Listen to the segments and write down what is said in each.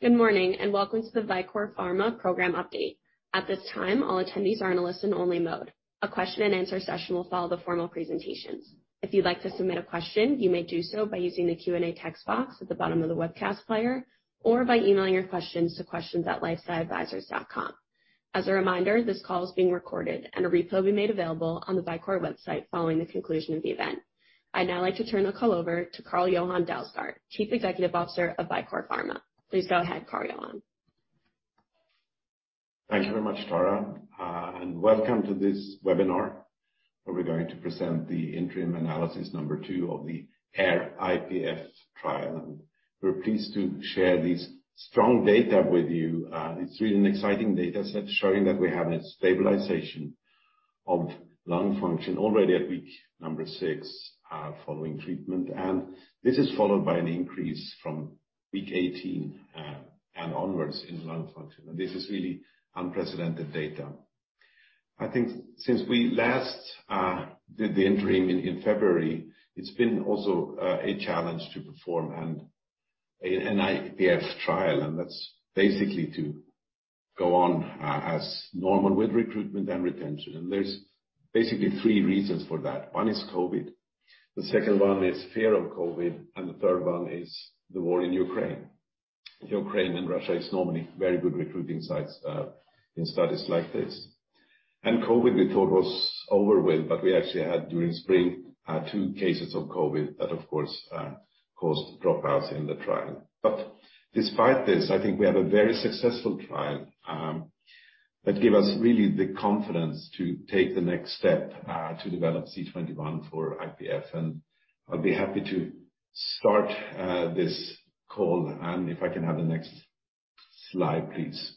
Good morning, and welcome to the Vicore Pharma program update. At this time, all attendees are in a listen-only mode. A question-and-answer session will follow the formal presentations. If you'd like to submit a question, you may do so by using the Q&A text box at the bottom of the webcast player or by emailing your questions to questions@lifesciadvisors.com. As a reminder, this call is being recorded and a replay will be made available on the Vicore website following the conclusion of the event. I'd now like to turn the call over to Carl-Johan Dalsgaard, Chief Executive Officer of Vicore Pharma. Please go ahead, Carl-Johan. Thank you very much, Tara, and welcome to this webinar, where we're going to present the interim analysis number two of the AIR-IPF trial. We're pleased to share this strong data with you. It's really an exciting data set showing that we have a stabilization of lung function already at week number six following treatment. This is followed by an increase from week 18 and onwards in lung function. This is really unprecedented data. I think since we last did the interim in February, it's been also a challenge to perform an IPF trial, and that's basically to go on as normal with recruitment and retention. There's basically three reasons for that. One is COVID, the second one is fear of COVID, and the third one is the war in Ukraine. Ukraine and Russia is normally very good recruiting sites in studies like this. COVID we thought was over with, but we actually had, during spring, two cases of COVID that of course caused dropouts in the trial. Despite this, I think we have a very successful trial that give us really the confidence to take the next step to develop C21 for IPF. I'll be happy to start this call. If I can have the next slide, please.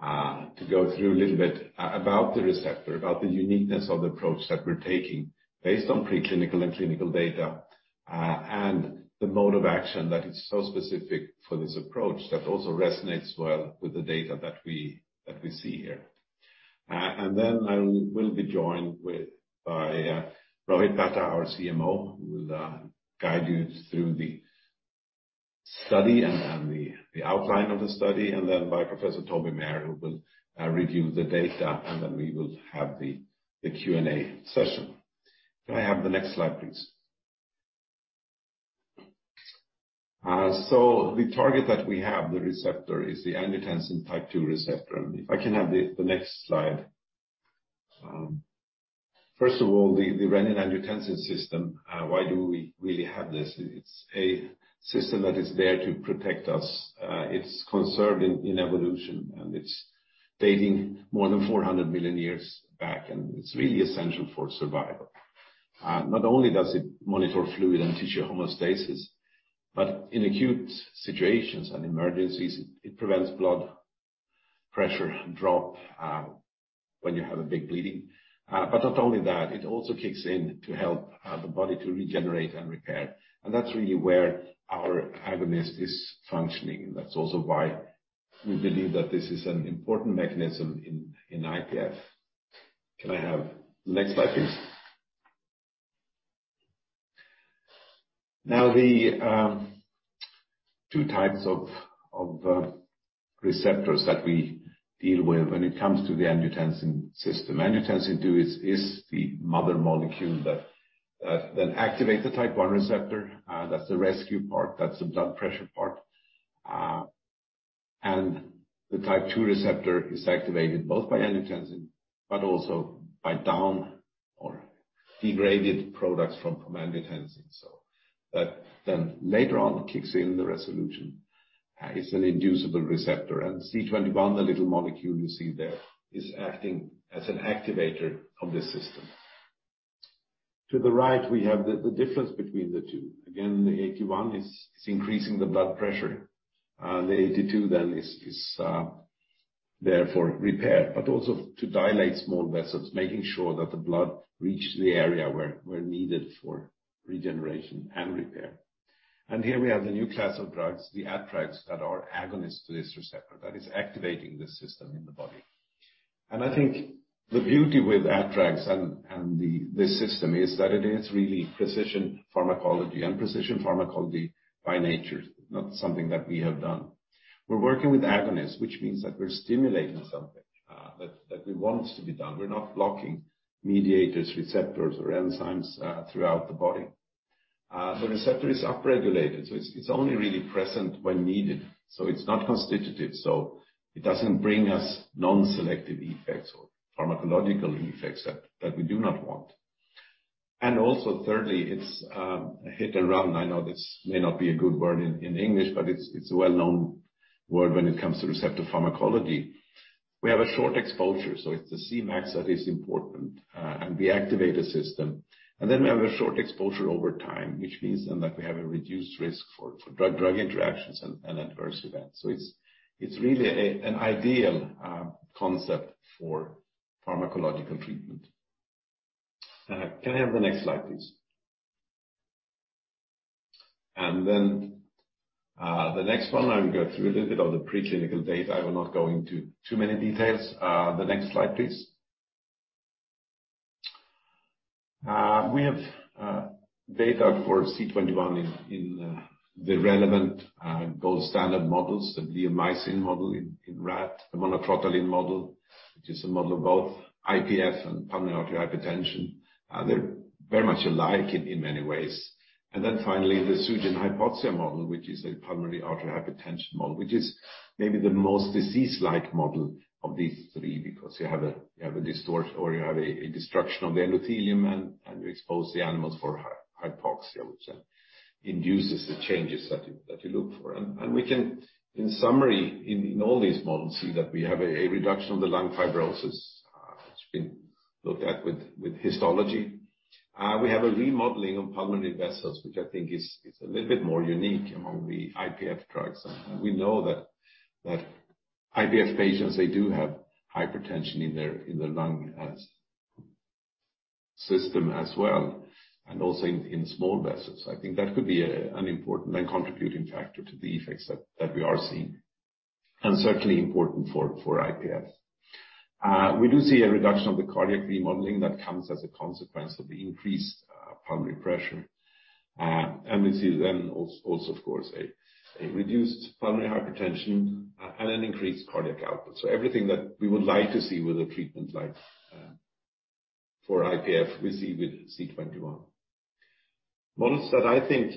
To go through a little bit about the receptor, about the uniqueness of the approach that we're taking based on preclinical and clinical data, and the mode of action that is so specific for this approach that also resonates well with the data that we see here. Then I will be joined with by Rohit Batta, our CMO, who will guide you through the study and the outline of the study, and then by Professor Toby Maher, who will review the data, and then we will have the Q&A session. Can I have the next slide, please? So the target that we have, the receptor, is the angiotensin type II receptor. If I can have the next slide. First of all, the renin-angiotensin system, why do we really have this? It's a system that is there to protect us. It's conserved in evolution, and it's dating more than 400 million years back, and it's really essential for survival. Not only does it monitor fluid and tissue homeostasis, but in acute situations and emergencies, it prevents blood pressure drop, when you have a big bleeding. Not only that, it also kicks in to help the body to regenerate and repair. That's really where our agonist is functioning. That's also why we believe that this is an important mechanism in IPF. Can I have the next slide, please? Now, the two types of receptors that we deal with when it comes to the angiotensin system. Angiotensin II is the mother molecule that activate the type I receptor. That's the rescue part, that's the blood pressure part. The type II receptor is activated both by angiotensin but also by degraded products from angiotensin itself. That then later on kicks in the resolution. It's an inducible receptor. C21, the small molecule you see there, is acting as an activator of this system. To the right, we have the difference between the two. Again, the AT1 is increasing the blood pressure. The AT2 then is there for repair, but also to dilate small vessels, making sure that the blood reach the area where needed for regeneration and repair. Here we have the new class of drugs, the ATRAGs, that are agonists to this receptor, that is activating the system in the body. I think the beauty with ATRAGs and the system is that it is really precision pharmacology. Precision pharmacology by nature is not something that we have done. We're working with agonists, which means that we're stimulating something that we want to be done. We're not blocking mediators, receptors or enzymes throughout the body. The receptor is upregulated, so it's only really present when needed. It's not constitutive, so it doesn't bring us non-selective effects or pharmacological effects that we do not want. Also thirdly, it's a hit and run. I know this may not be a good word in English, but it's a well-known word when it comes to receptor pharmacology. We have a short exposure, so it's the Cmax that is important. We activate a system. We have a short exposure over time, which means then that we have a reduced risk for drug-drug interactions and adverse events. It's really an ideal concept for pharmacological treatment. Can I have the next slide, please? The next one, I will go through a little bit of the preclinical data. I will not go into too many details. The next slide, please. We have data for C21 in the relevant gold standard models, the bleomycin model in rat, the monocrotaline model, which is a model of both IPF and pulmonary arterial hypertension. They're very much alike in many ways. Finally, the Sugen-Hypoxia model, which is a pulmonary arterial hypertension model, which is maybe the most disease-like model of these three because you have a destruction of the endothelium and you expose the animals for hypoxia, which induces the changes that you look for. We can, in summary, in all these models, see that we have a reduction of the lung fibrosis that's been looked at with histology. We have a remodeling of pulmonary vessels, which I think is a little bit more unique among the IPF drugs. We know that IPF patients, they do have hypertension in their lung system as well, and also in small vessels. I think that could be an important and contributing factor to the effects that we are seeing and certainly important for IPF. We do see a reduction of the cardiac remodeling that comes as a consequence of the increased pulmonary pressure. We see then also, of course, a reduced pulmonary hypertension and an increased cardiac output. Everything that we would like to see with a treatment like for IPF, we see with C21. Models that I think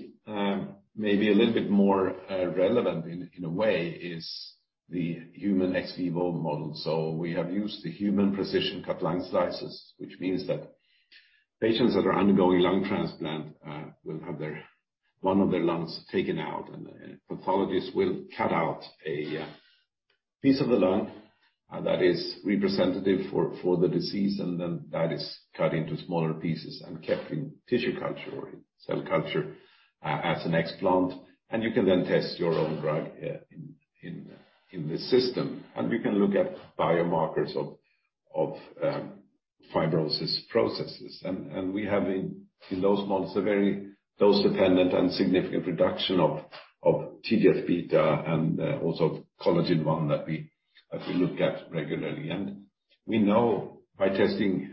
may be a little bit more relevant in a way is the human ex vivo model. We have used the human precision-cut lung slices, which means that patients that are undergoing lung transplant will have their one of their lungs taken out and pathologists will cut out a piece of the lung that is representative for the disease, and then that is cut into smaller pieces and kept in tissue culture or in cell culture as an explant, and you can then test your own drug in the system. We can look at biomarkers of fibrosis processes. We have in those models a very dose-dependent and significant reduction of TGF-beta and also collagen 1 that we look at regularly. We know by testing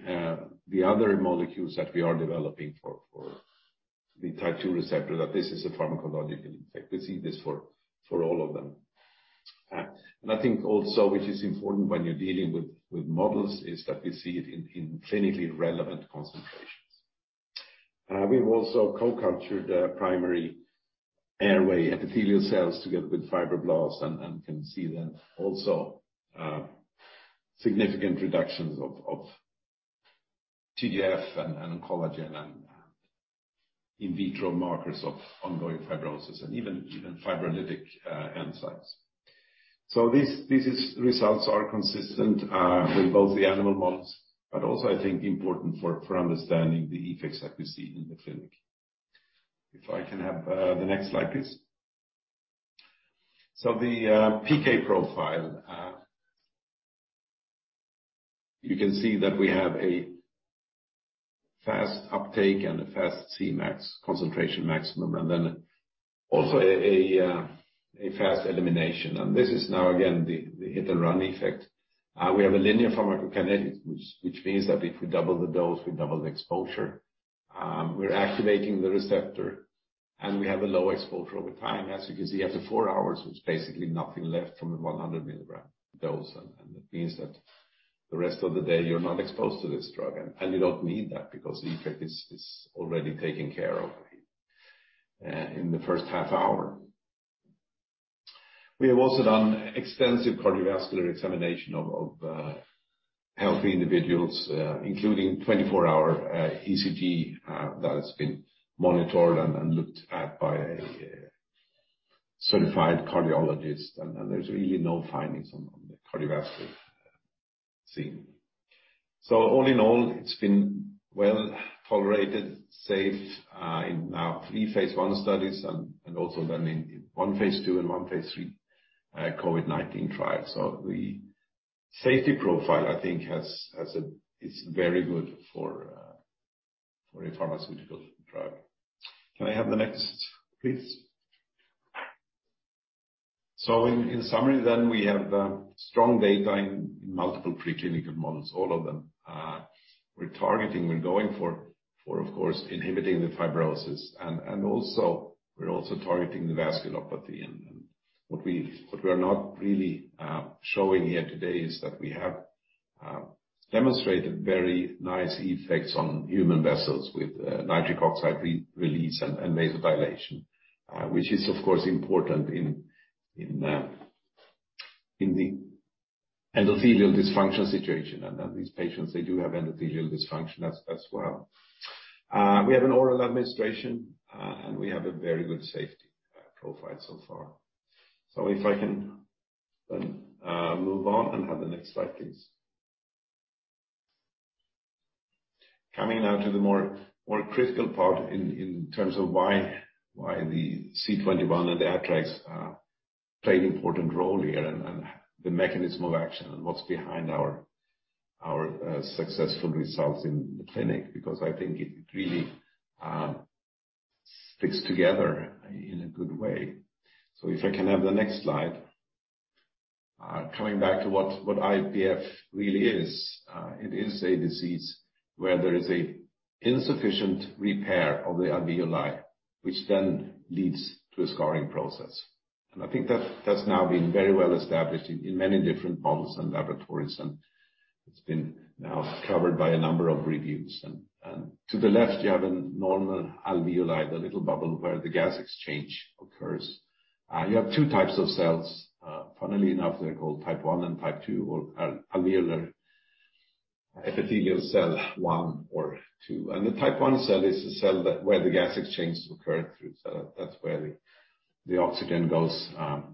the other molecules that we are developing for the type II receptor that this is a pharmacological effect. We see this for all of them. I think also, which is important when you're dealing with models, is that we see it in clinically relevant concentrations. We've also co-cultured the primary airway epithelial cells together with fibroblasts and can see then also significant reductions of TGF and collagen and in vitro markers of ongoing fibrosis and even fibrolytic enzymes. This results are consistent with both the animal models, but also I think important for understanding the effects that we see in the clinic. If I can have the next slide, please. The PK profile. You can see that we have a fast uptake and a fast Cmax, concentration maximum, and then also a fast elimination. This is now again the hit-and-run effect. We have a linear pharmacokinetics which means that if we double the dose, we double the exposure. We're activating the receptor, and we have a low exposure over time. As you can see, after four hours, there's basically nothing left from the 100 mg dose, and that means that the rest of the day you're not exposed to this drug. You don't need that because the effect is already taken care of in the first half hour. We have also done extensive cardiovascular examination of healthy individuals, including 24-hour ECG that has been monitored and looked at by a certified cardiologist, and there's really no findings on the cardiovascular scene. All in all, it's been well-tolerated, safe in now three phase I studies and also then in one phase II and one phase III COVID-19 trial. The safety profile I think has. It's very good for a pharmaceutical drug. Can I have the next, please? In summary then, we have strong data in multiple preclinical models, all of them. We're going for, of course, inhibiting the fibrosis and also targeting the vasculopathy. What we're not really showing here today is that we have demonstrated very nice effects on human vessels with nitric oxide re-release and vasodilation, which is of course important in the endothelial dysfunction situation. Then these patients, they do have endothelial dysfunction as well. We have an oral administration and we have a very good safety profile so far. If I can then move on and have the next slide, please. Coming now to the more critical part in terms of why the C21 and the ATRAGs play an important role here and the mechanism of action and what's behind our successful results in the clinic because I think it really sticks together in a good way. If I can have the next slide. Coming back to what IPF really is. It is a disease where there is an insufficient repair of the alveoli, which then leads to a scarring process. I think that's now been very well established in many different models and laboratories, and it's been now covered by a number of reviews. To the left you have a normal alveoli, the little bubble where the gas exchange occurs. You have two types of cells. Funnily enough, they're called type I and type II, or alveolar epithelial cell I or II. The type one cell is the cell where the gas exchanges occur through the cell. That's where the oxygen goes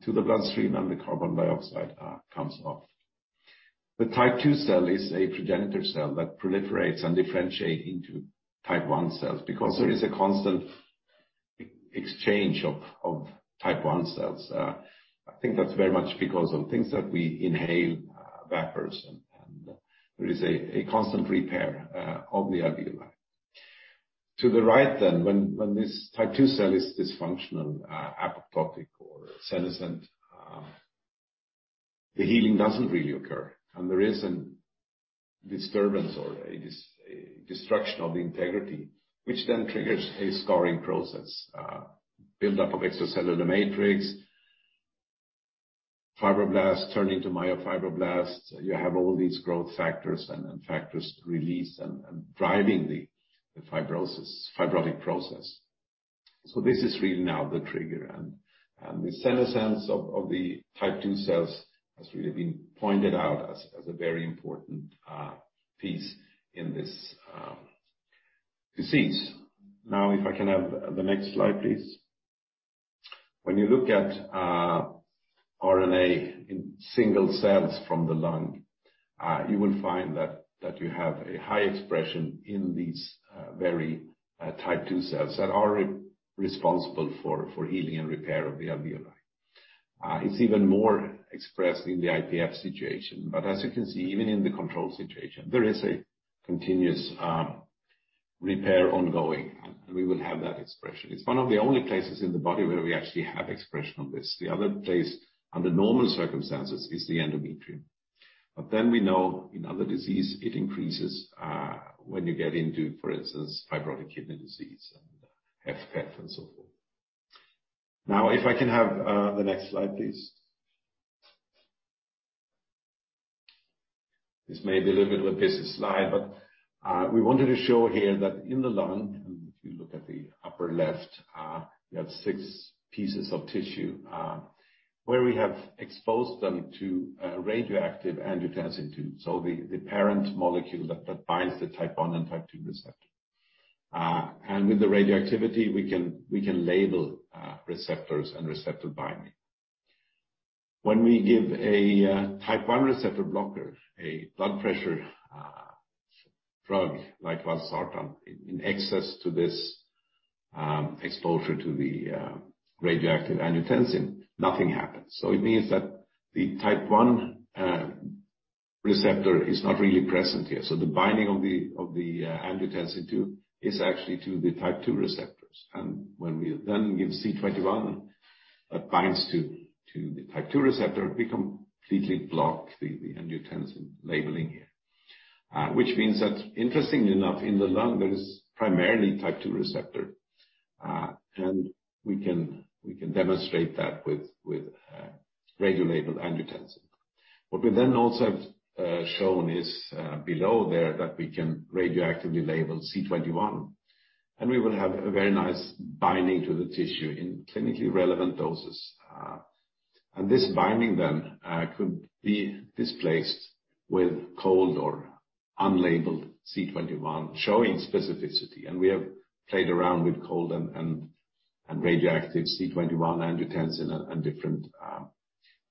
to the bloodstream and the carbon dioxide comes off. The type II cell is a progenitor cell that proliferates and differentiate into type I cells, because there is a constant exchange of type I cells. I think that's very much because of things that we inhale, vapors and there is a constant repair of the alveoli. To the right, when this type II cell is dysfunctional, apoptotic or senescent, the healing doesn't really occur and there is a disturbance or a destruction of the integrity, which then triggers a scarring process. Buildup of extracellular matrix, fibroblasts turn into myofibroblasts. You have all these growth factors and factors released and driving the fibrotic process. This is really now the trigger and the senescence of the type II cells has really been pointed out as a very important piece in this disease. If I can have the next slide, please. When you look at RNA in single cells from the lung, you will find that you have a high expression in these very type II cells that are responsible for healing and repair of the alveoli. It's even more expressed in the IPF situation, but as you can see, even in the control situation, there is a continuous repair ongoing, and we will have that expression. It's one of the only places in the body where we actually have expression of this. The other place, under normal circumstances, is the endometrium. We know in other disease it increases, when you get into, for instance, fibrotic kidney disease and IPF and so forth. Now, if I can have the next slide, please. This may be a little bit of a busy slide, but we wanted to show here that in the lung, and if you look at the upper left, you have six pieces of tissue, where we have exposed them to radioactive angiotensin II. So the parent molecule that binds the type I and type II receptor. And with the radioactivity, we can label receptors and receptor binding. When we give a type one receptor blocker, a blood pressure drug like valsartan in excess to this exposure to the radioactive angiotensin, nothing happens. It means that the type I receptor is not really present here. The binding of the angiotensin II is actually to the type two receptors. When we then give C21 that binds to the type II receptor, we completely block the angiotensin labeling here. Which means that interestingly enough, in the lung there is primarily type II receptor. We can demonstrate that with radiolabeled angiotensin. What we then also have shown is below there that we can radioactively label C21, and we will have a very nice binding to the tissue in clinically relevant doses. This binding then could be displaced with cold or unlabeled C21 showing specificity. We have played around with cold and radioactive C21 angiotensin and different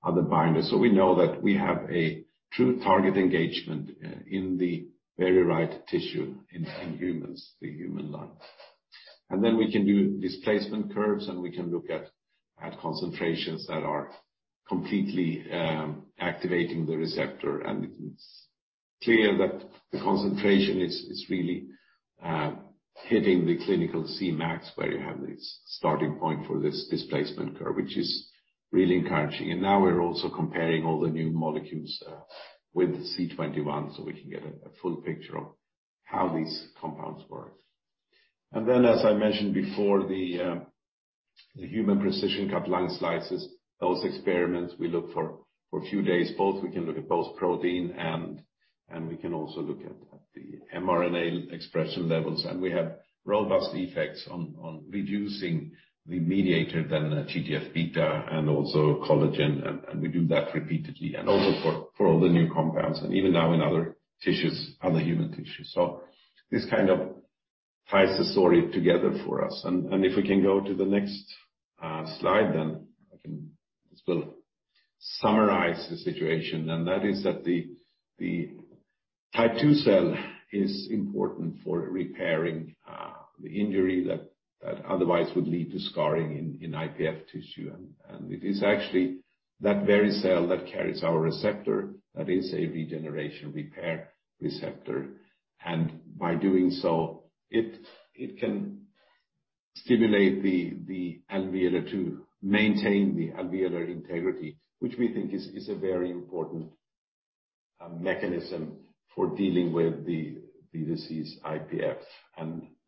other binders. We know that we have a true target engagement in the very right tissue in humans, the human lungs. Then we can do displacement curves, and we can look at concentrations that are completely activating the receptor. It's clear that the concentration is really hitting the clinical Cmax where you have this starting point for this displacement curve, which is really encouraging. Now we're also comparing all the new molecules with C21 so we can get a full picture of how these compounds work. As I mentioned before, the human precision-cut lung slices, those experiments we look at for a few days. We can look at both protein and we can also look at the mRNA expression levels. We have robust effects on reducing the mediator, the TGF-beta, and also collagen, and we do that repeatedly and also for all the new compounds and even now in other tissues, other human tissues. This kind of ties the story together for us. If we can go to the next slide, then I can just summarize the situation. That is that the type II cell is important for repairing the injury that otherwise would lead to scarring in IPF tissue. It is actually that very cell that carries our receptor that is a regeneration repair receptor. By doing so, it can stimulate the alveolar to maintain the alveolar integrity, which we think is a very important mechanism for dealing with the disease IPF.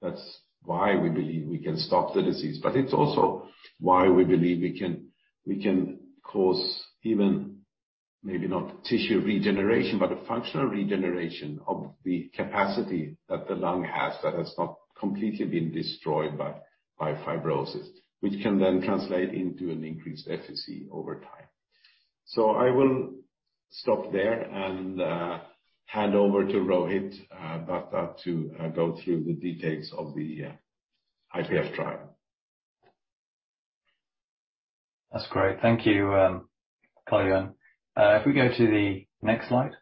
That's why we believe we can stop the disease. But it's also why we believe we can cause even maybe not tissue regeneration, but a functional regeneration of the capacity that the lung has that has not completely been destroyed by fibrosis, which can then translate into an increased FVC over time. I will stop there and hand over to Rohit Batta to go through the details of the IPF trial. That's great. Thank you, Carl-Johan. If we go to the next slide.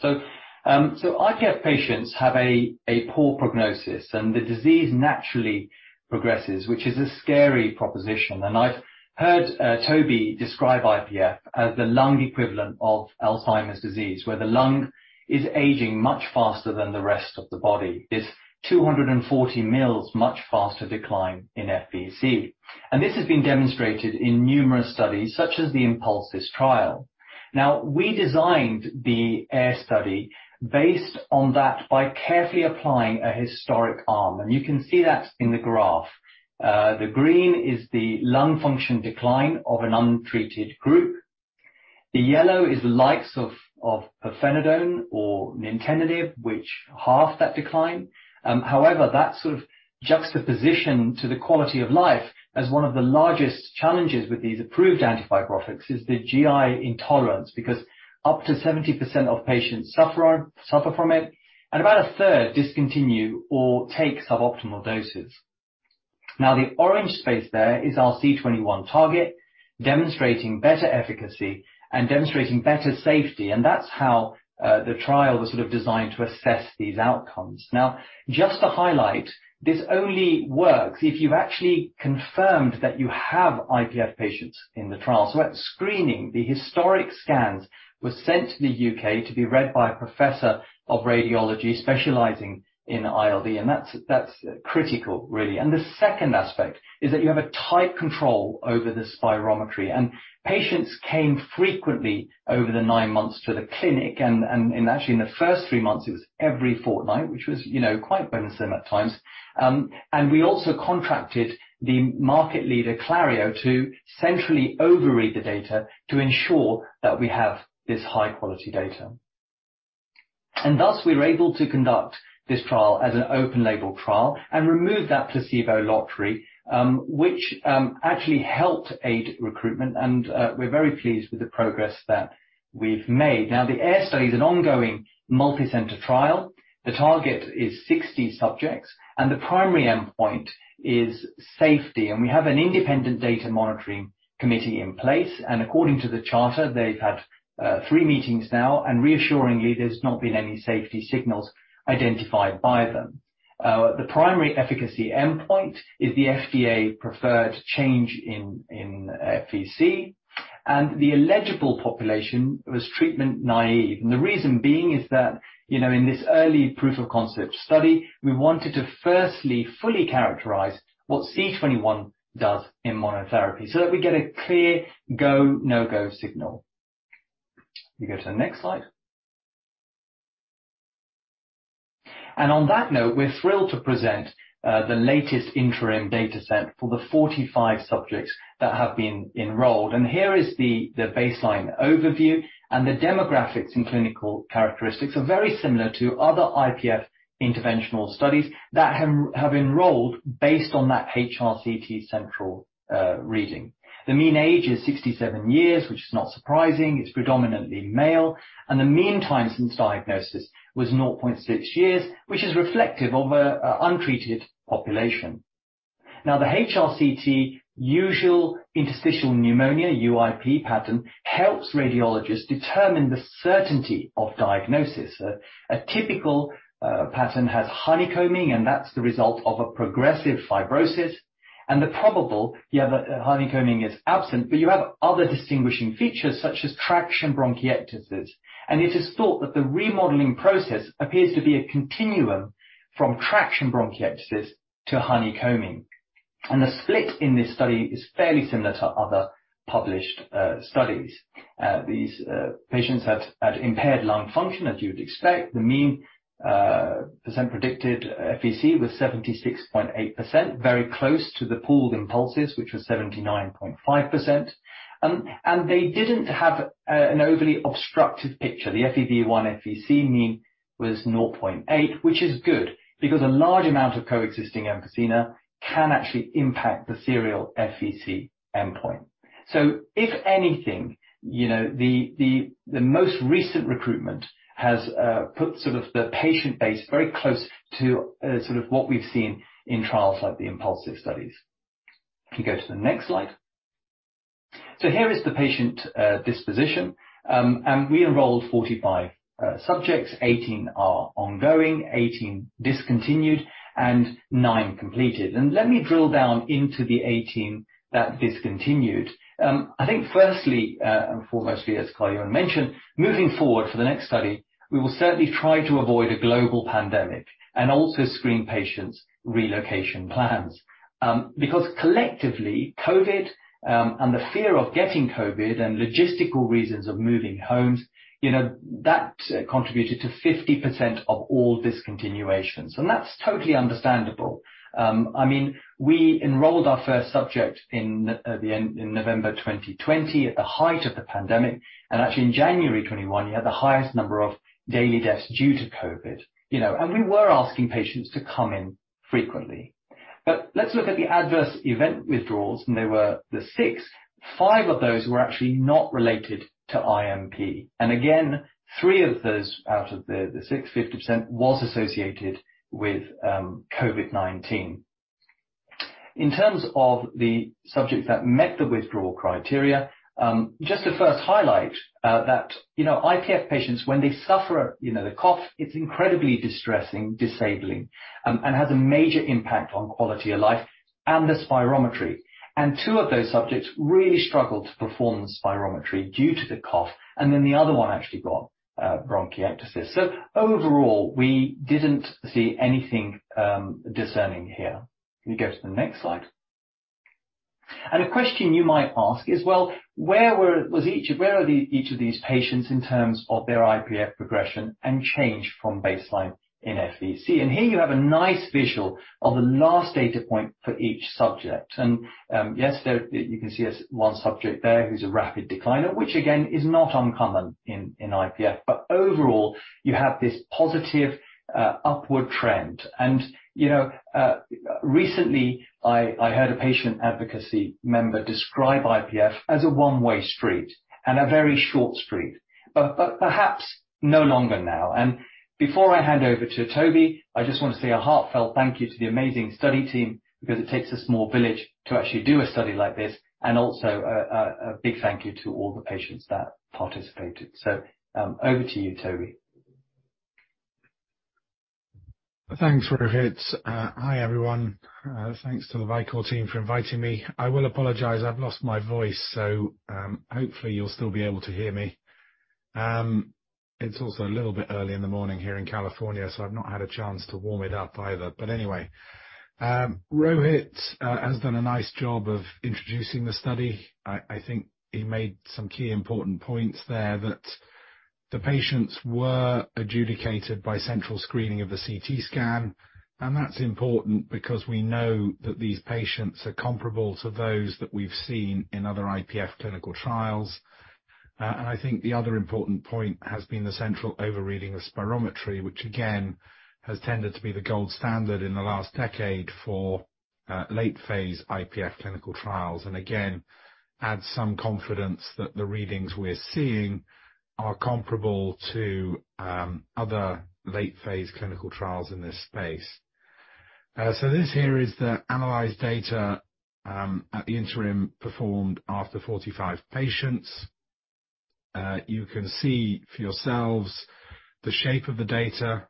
So IPF patients have a poor prognosis, and the disease naturally progresses, which is a scary proposition. I've heard Toby describe IPF as the lung equivalent of Alzheimer's disease, where the lung is aging much faster than the rest of the body. This 240 mL much faster decline in FVC. This has been demonstrated in numerous studies such as the INPULSIS trial. Now, we designed the AIR study based on that by carefully applying a historical arm, and you can see that in the graph. The green is the lung function decline of an untreated group. The yellow is the likes of pirfenidone or nintedanib, which half that decline. However, that sort of juxtaposition to the quality of life as one of the largest challenges with these approved antifibrotics is the GI intolerance, because up to 70% of patients suffer from it, and about 1/3 discontinue or take suboptimal doses. Now, the orange space there is our C21 target, demonstrating better efficacy and demonstrating better safety, and that's how the trial was sort of designed to assess these outcomes. Now, just to highlight, this only works if you've actually confirmed that you have IPF patients in the trial. At screening, the historic scans were sent to the U.K. to be read by a professor of radiology specializing in ILD, and that's critical, really. The second aspect is that you have a tight control over the spirometry. Patients came frequently over the nine months to the clinic, and actually in the first three months it was every fortnight, which was, you know, quite burdensome at times. We also contracted the market leader, Clario, to centrally overread the data to ensure that we have this high quality data. Thus we were able to conduct this trial as an open label trial and remove that placebo lottery, which actually helped aid recruitment and we're very pleased with the progress that we've made. Now, the AIR study is an ongoing multi-center trial. The target is 60 subjects and the primary endpoint is safety. We have an independent data monitoring committee in place. According to the charter, they've had three meetings now, and reassuringly, there's not been any safety signals identified by them. The primary efficacy endpoint is the FDA preferred change in FVC, and the eligible population was treatment naive. The reason being is that, you know, in this early proof of concept study, we wanted to firstly fully characterize what C21 does in monotherapy so that we get a clear go, no go signal. We go to the next slide. On that note, we're thrilled to present the latest interim data set for the 45 subjects that have been enrolled. Here is the baseline overview and the demographics and clinical characteristics are very similar to other IPF interventional studies that have enrolled based on that HRCT central reading. The mean age is 67 years, which is not surprising. It's predominantly male, and the mean time since diagnosis was 0.6 years, which is reflective of a untreated population. Now, the HRCT usual interstitial pneumonia, UIP pattern, helps radiologists determine the certainty of diagnosis. A typical pattern has honeycombing, and that's the result of a progressive fibrosis. The probable has honeycombing absent, but you have other distinguishing features such as traction bronchiectasis. It is thought that the remodeling process appears to be a continuum from traction bronchiectasis to honeycombing. The split in this study is fairly similar to other published studies. These patients had impaired lung function, as you'd expect. The mean percent predicted FVC was 76.8%, very close to the pooled INPULSIS, which was 79.5%. They didn't have an overly obstructive picture. The FEV1 /FVC mean was 0.8, which is good because a large amount of coexisting emphysema can actually impact the serial FVC endpoint. If anything, you know, the most recent recruitment has put sort of the patient base very close to sort of what we've seen in trials like the INPULSIS studies. If you go to the next slide. Here is the patient disposition. We enrolled 45 subjects. 18 are ongoing, 18 discontinued, and nine completed. Let me drill down into the 18 that discontinued. I think firstly and foremost, as Carl-Johan mentioned, moving forward for the next study, we will certainly try to avoid a global pandemic and also screen patients' relocation plans. Because collectively, COVID, and the fear of getting COVID and logistical reasons of moving homes, you know, that contributed to 50% of all discontinuations. That's totally understandable. I mean, we enrolled our first subject in November 2020 at the height of the pandemic, and actually in January 2021, you had the highest number of daily deaths due to COVID, you know. We were asking patients to come in frequently. Let's look at the adverse event withdrawals, and there were the six. Five of those were actually not related to IMP. Again, three of those out of the six, 50%, was associated with COVID-19. In terms of the subjects that met the withdrawal criteria, just to first highlight, that, you know, IPF patients when they suffer, you know, the cough, it's incredibly distressing, disabling, and has a major impact on quality of life and the spirometry. Two of those subjects really struggled to perform the spirometry due to the cough, and then the other one actually got bronchiectasis. Overall, we didn't see anything discerning here. Can you go to the next slide? A question you might ask is, "Well, where was each of these patients in terms of their IPF progression and change from baseline in FVC?" Here you have a nice visual of the last data point for each subject. Yes, there, you can see there's one subject there who's a rapid decliner, which again is not uncommon in IPF. But overall, you have this positive upward trend. You know, recently, I heard a patient advocacy member describe IPF as a one-way street, and a very short street, but perhaps no longer now. Before I hand over to Toby, I just wanna say a heartfelt thank you to the amazing study team because it takes a small village to actually do a study like this, and also a big thank you to all the patients that participated. Over to you, Toby. Thanks, Rohit. Hi, everyone. Thanks to the Vicore team for inviting me. I will apologize, I've lost my voice, so hopefully you'll still be able to hear me. It's also a little bit early in the morning here in California, so I've not had a chance to warm it up either. Anyway, Rohit has done a nice job of introducing the study. I think he made some key important points there that the patients were adjudicated by central screening of the CT scan, and that's important because we know that these patients are comparable to those that we've seen in other IPF clinical trials. I think the other important point has been the central overreading of spirometry, which again has tended to be the gold standard in the last decade for late phase IPF clinical trials, and again, adds some confidence that the readings we're seeing are comparable to other late phase clinical trials in this space. This here is the analyzed data at the interim performed after 45 patients. You can see for yourselves the shape of the data.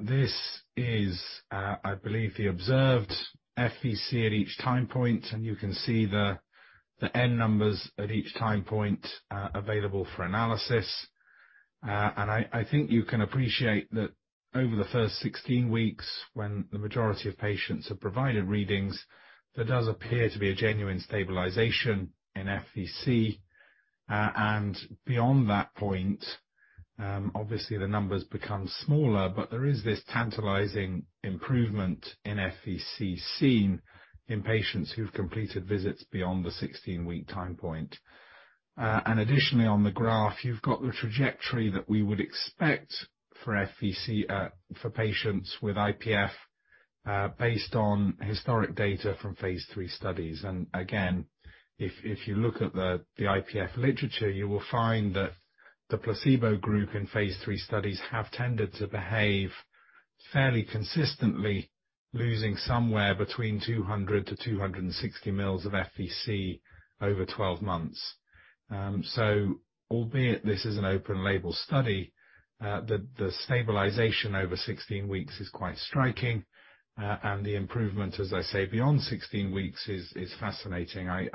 This is, I believe, the observed FVC at each time point, and you can see the N numbers at each time point available for analysis. I think you can appreciate that over the first 16 weeks, when the majority of patients have provided readings, there does appear to be a genuine stabilization in FVC. Beyond that point, obviously the numbers become smaller, but there is this tantalizing improvement in FVC seen in patients who've completed visits beyond the 16-week time point. Additionally, on the graph, you've got the trajectory that we would expect for FVC for patients with IPF based on historic data from phase III studies. Again, if you look at the IPF literature, you will find that the placebo group in phase III studies have tended to behave fairly consistently, losing somewhere between 200 mL-260 mL of FVC over 12 months. Albeit this is an open-label study, the stabilization over 16 weeks is quite striking, and the improvement, as I say, beyond 16 weeks is fascinating. I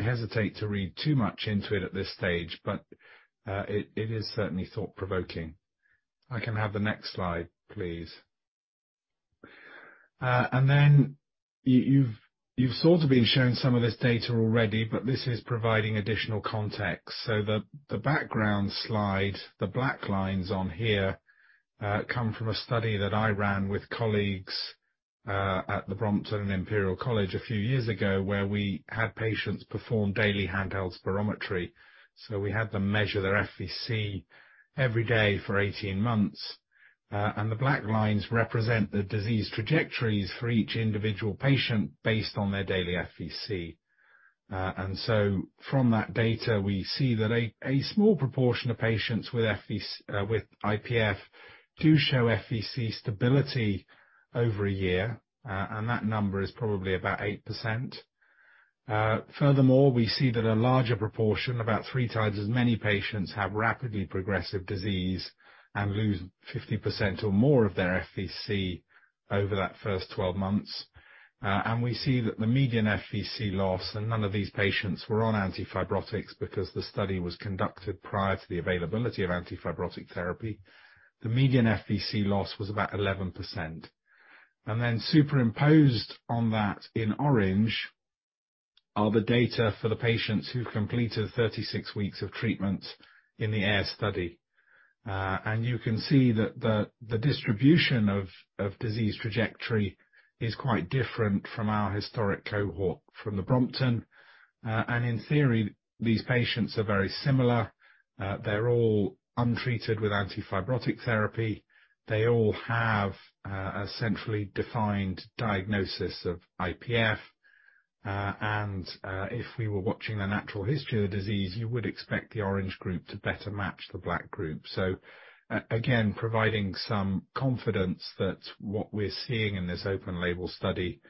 hesitate to read too much into it at this stage, but it is certainly thought-provoking. I can have the next slide, please. Then you've sort of been shown some of this data already, but this is providing additional context. The background slide, the black lines on here, come from a study that I ran with colleagues at the Brompton and Imperial College a few years ago where we had patients perform daily handheld spirometry. We had them measure their FVC every day for 18 months. The black lines represent the disease trajectories for each individual patient based on their daily FVC. From that data, we see that a small proportion of patients with IPF do show FVC stability over a year, and that number is probably about 8%. Furthermore, we see that a larger proportion, about 3x as many patients, have rapidly progressive disease and lose 50% or more of their FVC over that first 12 months. We see that the median FVC loss was about 11%, and none of these patients were on antifibrotics because the study was conducted prior to the availability of antifibrotic therapy. Superimposed on that in orange are the data for the patients who completed 36 weeks of treatment in the AIR study. You can see that the distribution of disease trajectory is quite different from our historic cohort from the Brompton. In theory, these patients are very similar. They're all untreated with antifibrotic therapy. They all have a centrally defined diagnosis of IPF. If we were watching the natural history of the disease, you would expect the orange group to better match the black group. Again, providing some confidence that what we're seeing in this open label study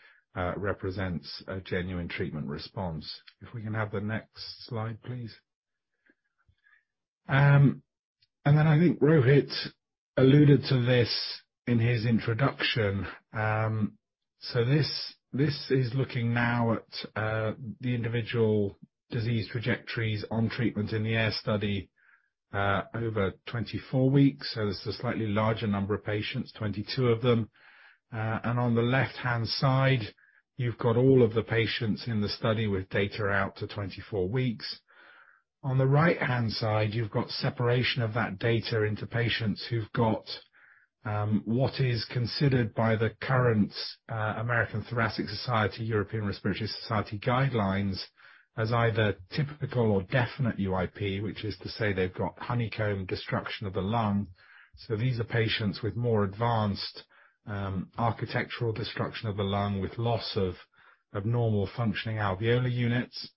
represents a genuine treatment response. If we can have the next slide, please. I think Rohit alluded to this in his introduction. This is looking now at the individual disease trajectories on treatment in the AIR study over 24 weeks. This is a slightly larger number of patients, 22 of them. On the left-hand side, you've got all of the patients in the study with data out to 24 weeks. On the right-hand side, you've got separation of that data into patients who've got what is considered by the current American Thoracic Society, European Respiratory Society guidelines as either typical or definite UIP, which is to say they've got honeycomb destruction of the lung. These are patients with more advanced architectural destruction of the lung with loss of abnormal functioning alveolar units.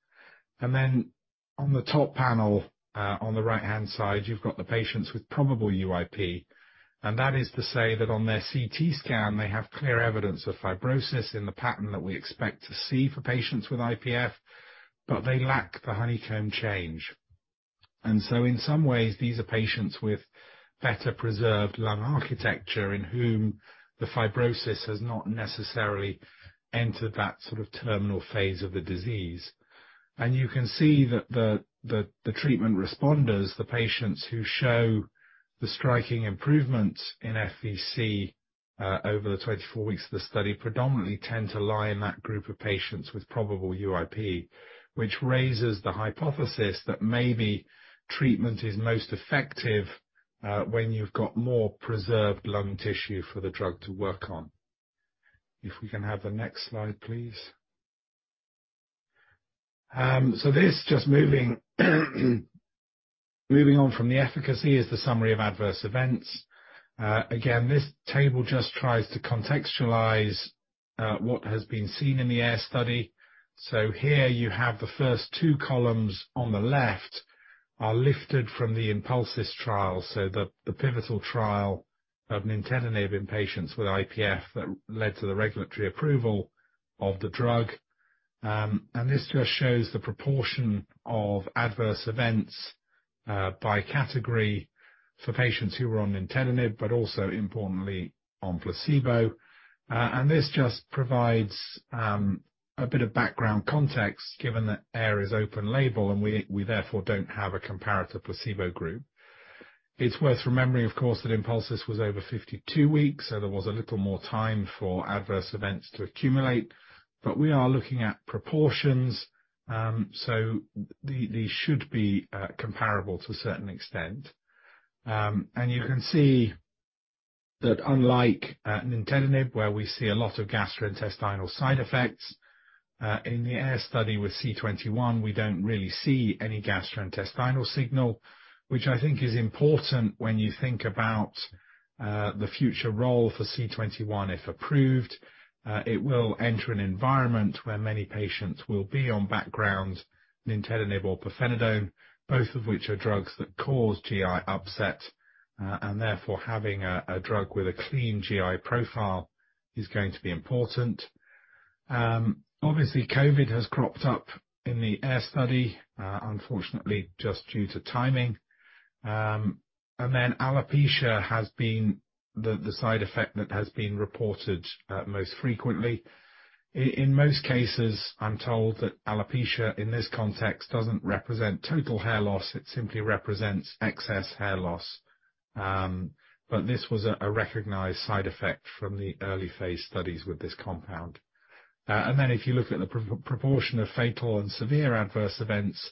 Then on the top panel on the right-hand side, you've got the patients with probable UIP. That is to say that on their CT scan they have clear evidence of fibrosis in the pattern that we expect to see for patients with IPF, but they lack the honeycomb change. In some ways these are patients with better preserved lung architecture in whom the fibrosis has not necessarily entered that sort of terminal phase of the disease. You can see that the treatment responders, the patients who show the striking improvement in FVC over the 24 weeks of the study, predominantly tend to lie in that group of patients with probable UIP, which raises the hypothesis that maybe treatment is most effective when you've got more preserved lung tissue for the drug to work on. If we can have the next slide, please. This just moving on from the efficacy is the summary of adverse events. Again, this table just tries to contextualize what has been seen in the AIR study. Here you have the first two columns on the left are lifted from the INPULSIS trial, the pivotal trial of nintedanib in patients with IPF that led to the regulatory approval of the drug. This just shows the proportion of adverse events by category for patients who were on nintedanib, but also importantly, on placebo. This just provides a bit of background context, given that AIR is open label and we therefore don't have a comparative placebo group. It's worth remembering, of course, that INPULSIS was over 52 weeks, so there was a little more time for adverse events to accumulate. We are looking at proportions, so these should be comparable to a certain extent. You can see that unlike nintedanib, where we see a lot of gastrointestinal side effects, in the AIR study with C21, we don't really see any gastrointestinal signal, which I think is important when you think about the future role for C21. If approved, it will enter an environment where many patients will be on background nintedanib or pirfenidone, both of which are drugs that cause GI upset, and therefore having a drug with a clean GI profile is going to be important. Obviously COVID has cropped up in the AIR study, unfortunately just due to timing. Alopecia has been the side effect that has been reported most frequently. In most cases, I'm told that alopecia in this context doesn't represent total hair loss. It simply represents excess hair loss. This was a recognized side effect from the early phase studies with this compound. If you look at the proportion of fatal and severe adverse events,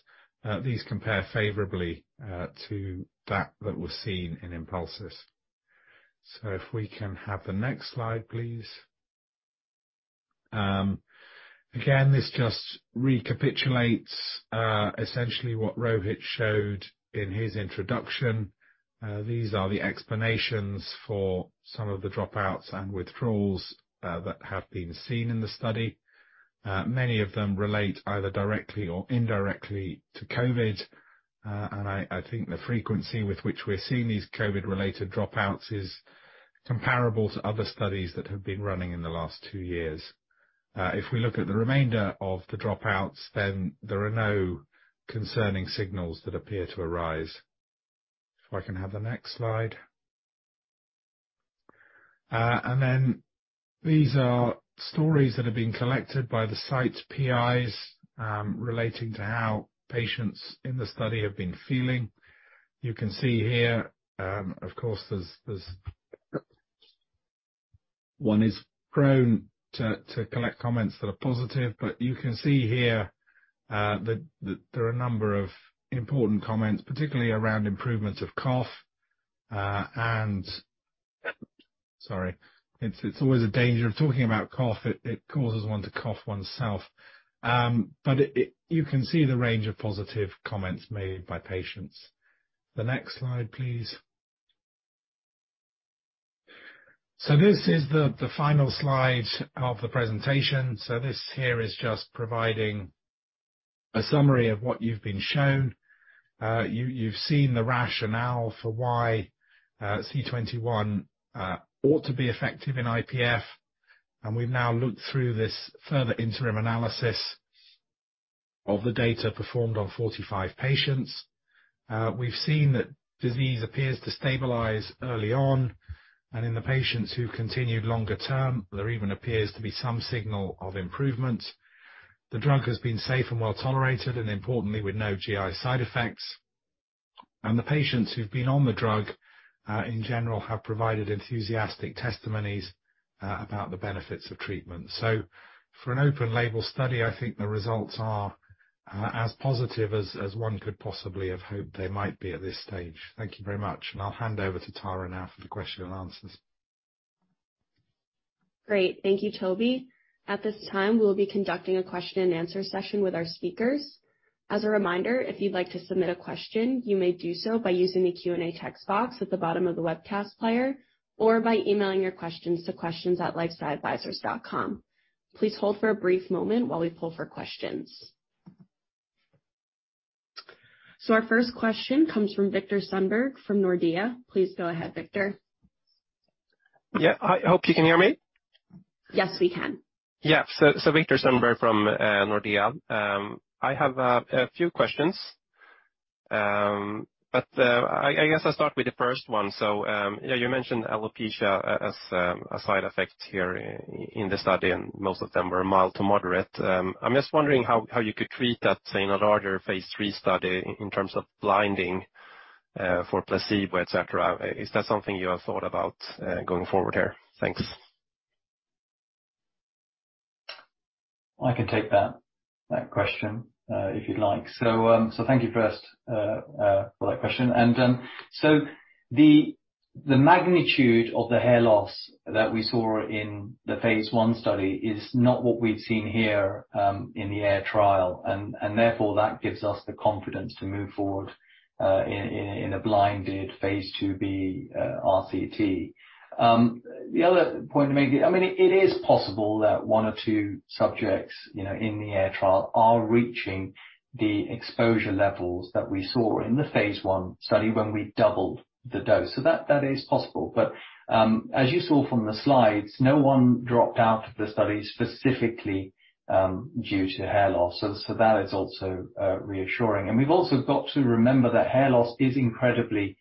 these compare favorably to that was seen in INPULSIS. If we can have the next slide, please. Again, this just recapitulates essentially what Rohit showed in his introduction. These are the explanations for some of the dropouts and withdrawals that have been seen in the study. Many of them relate either directly or indirectly to COVID. I think the frequency with which we're seeing these COVID related dropouts is comparable to other studies that have been running in the last two years. If we look at the remainder of the dropouts, then there are no concerning signals that appear to arise. If I can have the next slide. These are stories that have been collected by the site PIs relating to how patients in the study have been feeling. You can see here, of course, there's... One is prone to collect comments that are positive, but you can see here that there are a number of important comments, particularly around improvements of cough, and sorry, it's always a danger of talking about cough. It causes one to cough oneself. But you can see the range of positive comments made by patients. The next slide, please. This is the final slide of the presentation. This here is just providing a summary of what you've been shown. You've seen the rationale for why C21 ought to be effective in IPF, and we've now looked through this further interim analysis of the data performed on 45 patients. We've seen that disease appears to stabilize early on, and in the patients who've continued longer term, there even appears to be some signal of improvement. The drug has been safe and well tolerated, and importantly, with no GI side effects. The patients who've been on the drug, in general, have provided enthusiastic testimonies about the benefits of treatment. For an open label study, I think the results are as positive as one could possibly have hoped they might be at this stage. Thank you very much, and I'll hand over to Tara now for the question and answers. Great. Thank you, Toby. At this time, we'll be conducting a question and answer session with our speakers. As a reminder, if you'd like to submit a question, you may do so by using the Q&A text box at the bottom of the webcast player or by emailing your questions to questions@lifesciadvisors.com. Please hold for a brief moment while we pull for questions. Our first question comes from Viktor Sundberg from Nordea. Please go ahead, Viktor. Yeah. I hope you can hear me. Yes, we can. Yeah. Viktor Sundberg from Nordea. I have a few questions. I guess I'll start with the first one. Yeah, you mentioned alopecia as a side effect here in the study, and most of them were mild to moderate. I'm just wondering how you could treat that, say, in a larger phase III study in terms of blinding for placebo, et cetera. Is that something you have thought about going forward here? Thanks. I can take that question if you'd like. Thank you first for that question. The magnitude of the hair loss that we saw in the phase I study is not what we'd seen here in the AIR trial. Therefore, that gives us the confidence to move forward in a blinded phase II-B RCT. The other point to make is, I mean, it is possible that one or two subjects, you know, in the AIR trial are reaching the exposure levels that we saw in the phase I study when we doubled the dose. That is possible. As you saw from the slides, no one dropped out of the study specifically due to hair loss. That is also reassuring. We've also got to remember that hair loss is incredibly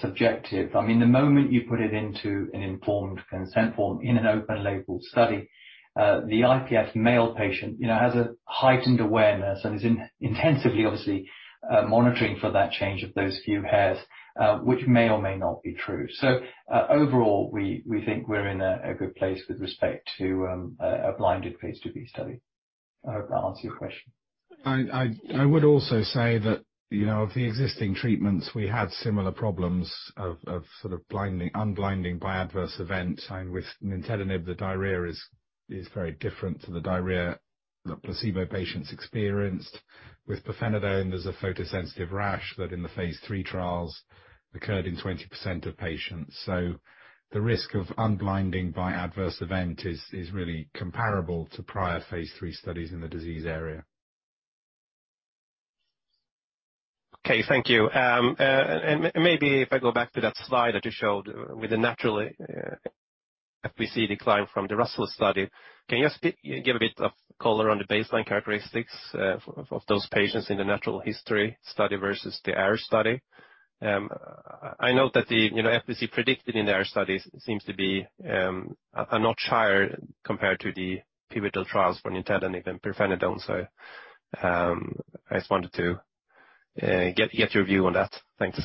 subjective. I mean, the moment you put it into an informed consent form in an open label study, the IPF male patient, you know, has a heightened awareness and is intensively, obviously, monitoring for that change of those few hairs, which may or may not be true. Overall, we think we're in a good place with respect to a blinded phase II-B study. I hope that answers your question. I would also say that, you know, of the existing treatments, we had similar problems of sort of unblinding by adverse events. With nintedanib, the diarrhea is very different to the diarrhea that placebo patients experienced. With pirfenidone, there's a photosensitive rash that in the phase III trials occurred in 20% of patients. The risk of unblinding by adverse event is really comparable to prior phase III studies in the disease area. Okay. Thank you. Maybe if I go back to that slide that you showed with the natural FVC decline from the Russell's study. Can you give a bit of color on the baseline characteristics of those patients in the natural history study versus the AIR study? I know that the, you know, FVC predicted in the AIR study seems to be a notch higher compared to the pivotal trials for nintedanib and pirfenidone. I just wanted to get your view on that. Thanks.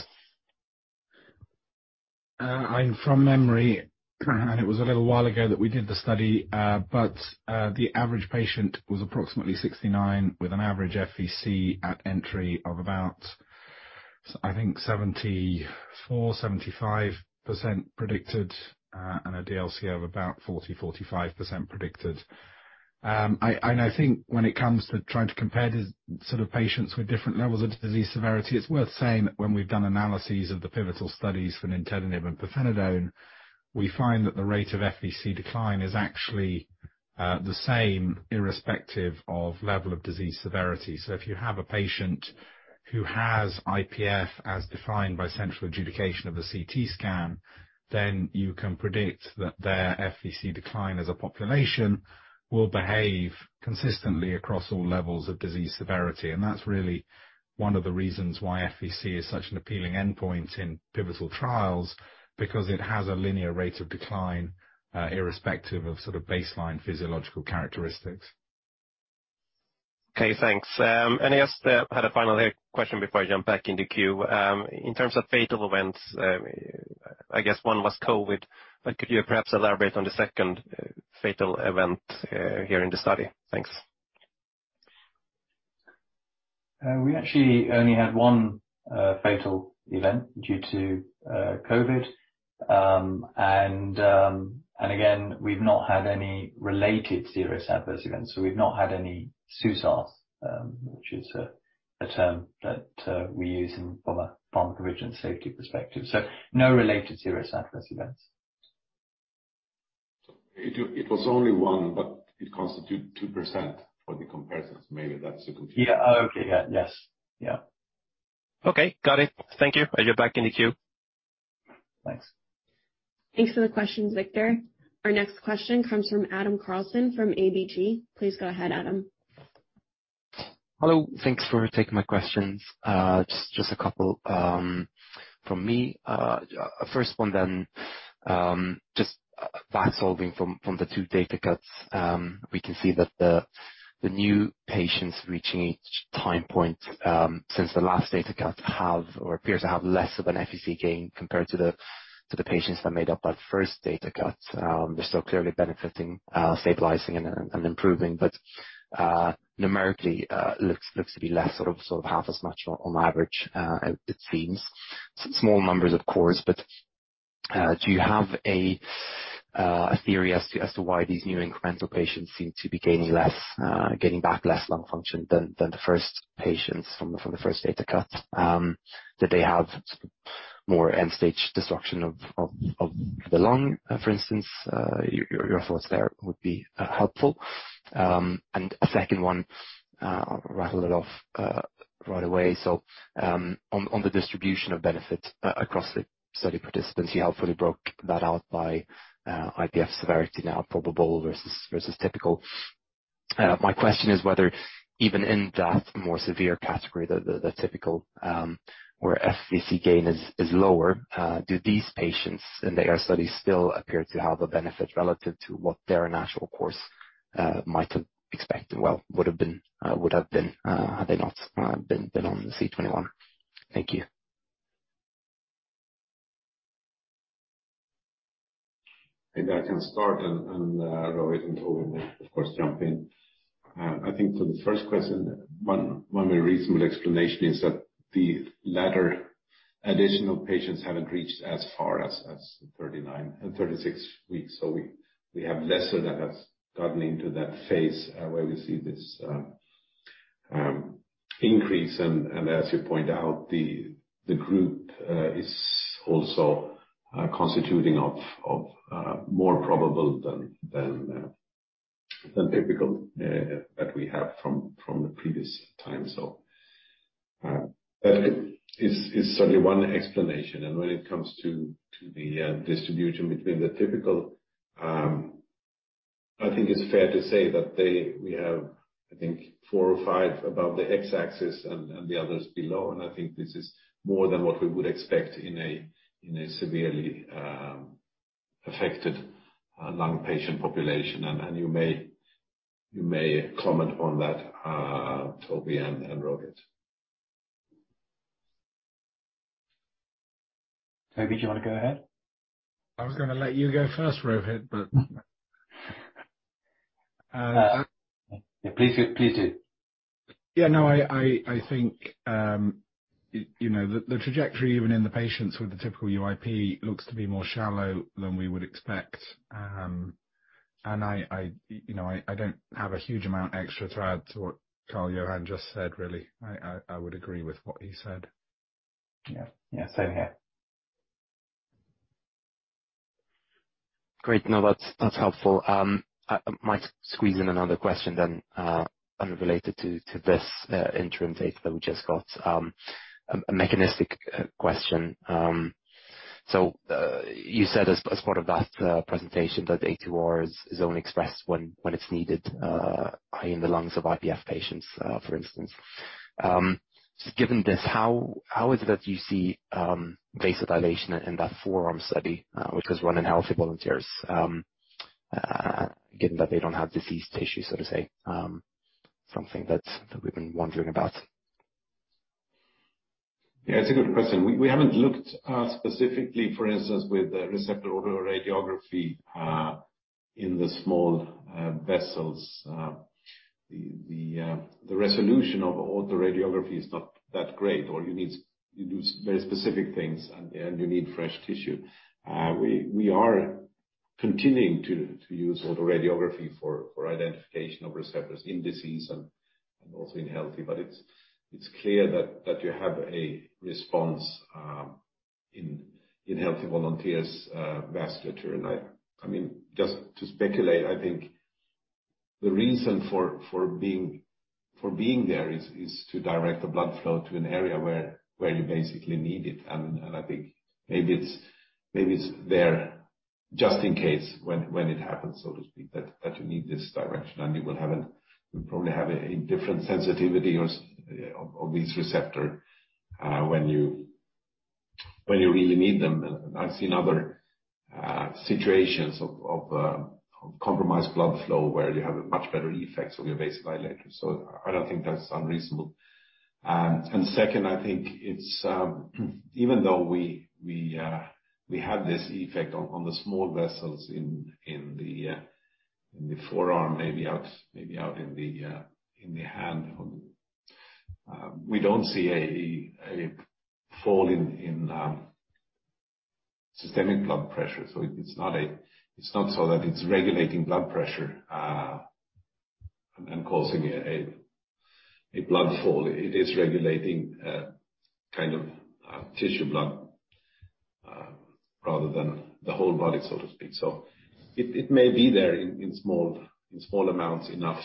From memory, it was a little while ago that we did the study, but the average patient was approximately 69 with an average FVC at entry of about, I think 74%, 75% predicted, and a DLCO of about 40%-45% predicted. I think when it comes to trying to compare the sort of patients with different levels of disease severity, it's worth saying that when we've done analyses of the pivotal studies for nintedanib and pirfenidone, we find that the rate of FVC decline is actually the same irrespective of level of disease severity. If you have a patient who has IPF as defined by central adjudication of a CT scan, then you can predict that their FVC decline as a population will behave consistently across all levels of disease severity. That's really one of the reasons why FVC is such an appealing endpoint in pivotal trials because it has a linear rate of decline, irrespective of sort of baseline physiological characteristics. Okay, thanks. I just had a final here question before I jump back in the queue. In terms of fatal events, I guess one was COVID, but could you perhaps elaborate on the second fatal event here in the study? Thanks. We actually only had one fatal event due to COVID. Again, we've not had any related serious adverse events. We've not had any SUSARs, which is a term that we use from a pharmacovigilance safety perspective. No related serious adverse events. It was only one, but it constitutes 2% for the comparisons. Maybe that's the confusion. Yeah. Okay. Yeah. Yes. Yeah. Okay. Got it. Thank you. I'll jump back in the queue. Thanks. Thanks for the questions, Viktor. Our next question comes from Adam Carlson from A.G.P. Please go ahead, Adam. Hello. Thanks for taking my questions. Just a couple from me. First one then, just back solving from the two data cuts, we can see that the new patients reaching each time point since the last data cut have or appears to have less of an FVC gain compared to the patients that made up that first data cut. They're still clearly benefiting, stabilizing and improving, but numerically, looks to be less, sort of half as much on average, it seems. Small numbers, of course, but do you have a theory as to why these new incremental patients seem to be gaining less, gaining back less lung function than the first patients from the first data cut? Did they have more end-stage destruction of the lung, for instance? Your thoughts there would be helpful. A second one, I'll rattle it off right away. On the distribution of benefit across the study participants, you helpfully broke that out by IPF severity, now probable versus typical. My question is whether even in that more severe category, the typical, where FVC gain is lower, do these patients in the AIR study still appear to have a benefit relative to what their natural course might have expected? Well, would have been had they not been on C21. Thank you. Maybe I can start, and Rohit and Toby will, of course, jump in. I think for the first question, one very reasonable explanation is that the latter additional patients haven't reached as far as 39 and 36 weeks. We have fewer that have gotten into that phase where we see this increase. As you point out, the group is also consisting of more probable UIP than typical that we have from the previous time. That is certainly one explanation. When it comes to the distribution between the typical, I think it's fair to say that we have, I think four or five above the x-axis and the others below. I think this is more than what we would expect in a severely affected lung patient population. You may comment on that, Toby and Rohit. Toby, do you wanna go ahead? I was gonna let you go first, Rohit, but. Please do. Yeah, no. I think you know, the trajectory even in the patients with the typical UIP looks to be more shallow than we would expect. I you know, I don't have a huge amount extra to add to what Carl-Johan just said, really. I would agree with what he said. Yeah. Yeah. Same here. Great. No, that's helpful. I might squeeze in another question then, unrelated to this interim data that we just got. A mechanistic question. You said as part of that presentation that A2R is only expressed when it's needed in the lungs of IPF patients, for instance. Given this, how is it that you see vasodilation in that forearm study, which was run in healthy volunteers, given that they don't have diseased tissue, so to say? Something that we've been wondering about. Yeah, it's a good question. We haven't looked specifically, for instance, with receptor autoradiography in the small vessels. The resolution of the autoradiography is not that great or you need to do very specific things and you need fresh tissue. We are continuing to use autoradiography for identification of receptors in disease and also in healthy. But it's clear that you have a response. In healthy volunteers, vasculature. I mean, just to speculate, I think the reason for being there is to direct the blood flow to an area where you basically need it. I think maybe it's there just in case when it happens, so to speak, that you need this direction and you probably have a different sensitivity of this receptor when you really need them. I've seen other situations of compromised blood flow where you have a much better effect on your vasodilator. So I don't think that's unreasonable. Second, I think it's even though we had this effect on the small vessels in the forearm, maybe out in the hand. We don't see a fall in systemic blood pressure. It's not so that it's regulating blood pressure and causing a blood fall. It is regulating kind of tissue blood rather than the whole body, so to speak. It may be there in small amounts, enough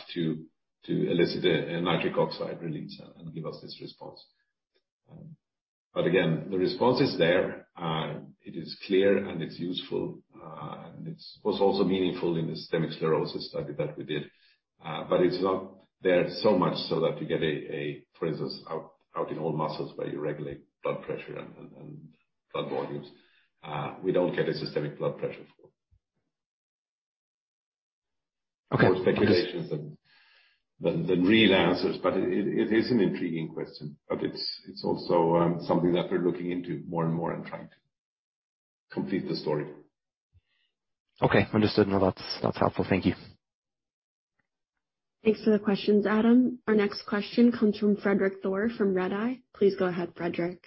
to elicit a nitric oxide release and give us this response. But again, the response is there, and it is clear, and it's useful. It was also meaningful in the systemic sclerosis study that we did. It's not there so much so that you get for instance out in all muscles where you regulate blood pressure and blood volumes. We don't get a systemic blood pressure for it. Okay. More speculations than real answers, but it is an intriguing question. It's also something that we're looking into more and more and trying to complete the story. Okay, understood. No, that's helpful. Thank you. Thanks for the questions, Adam. Our next question comes from Fredrik Thor from Redeye. Please go ahead, Fredrik.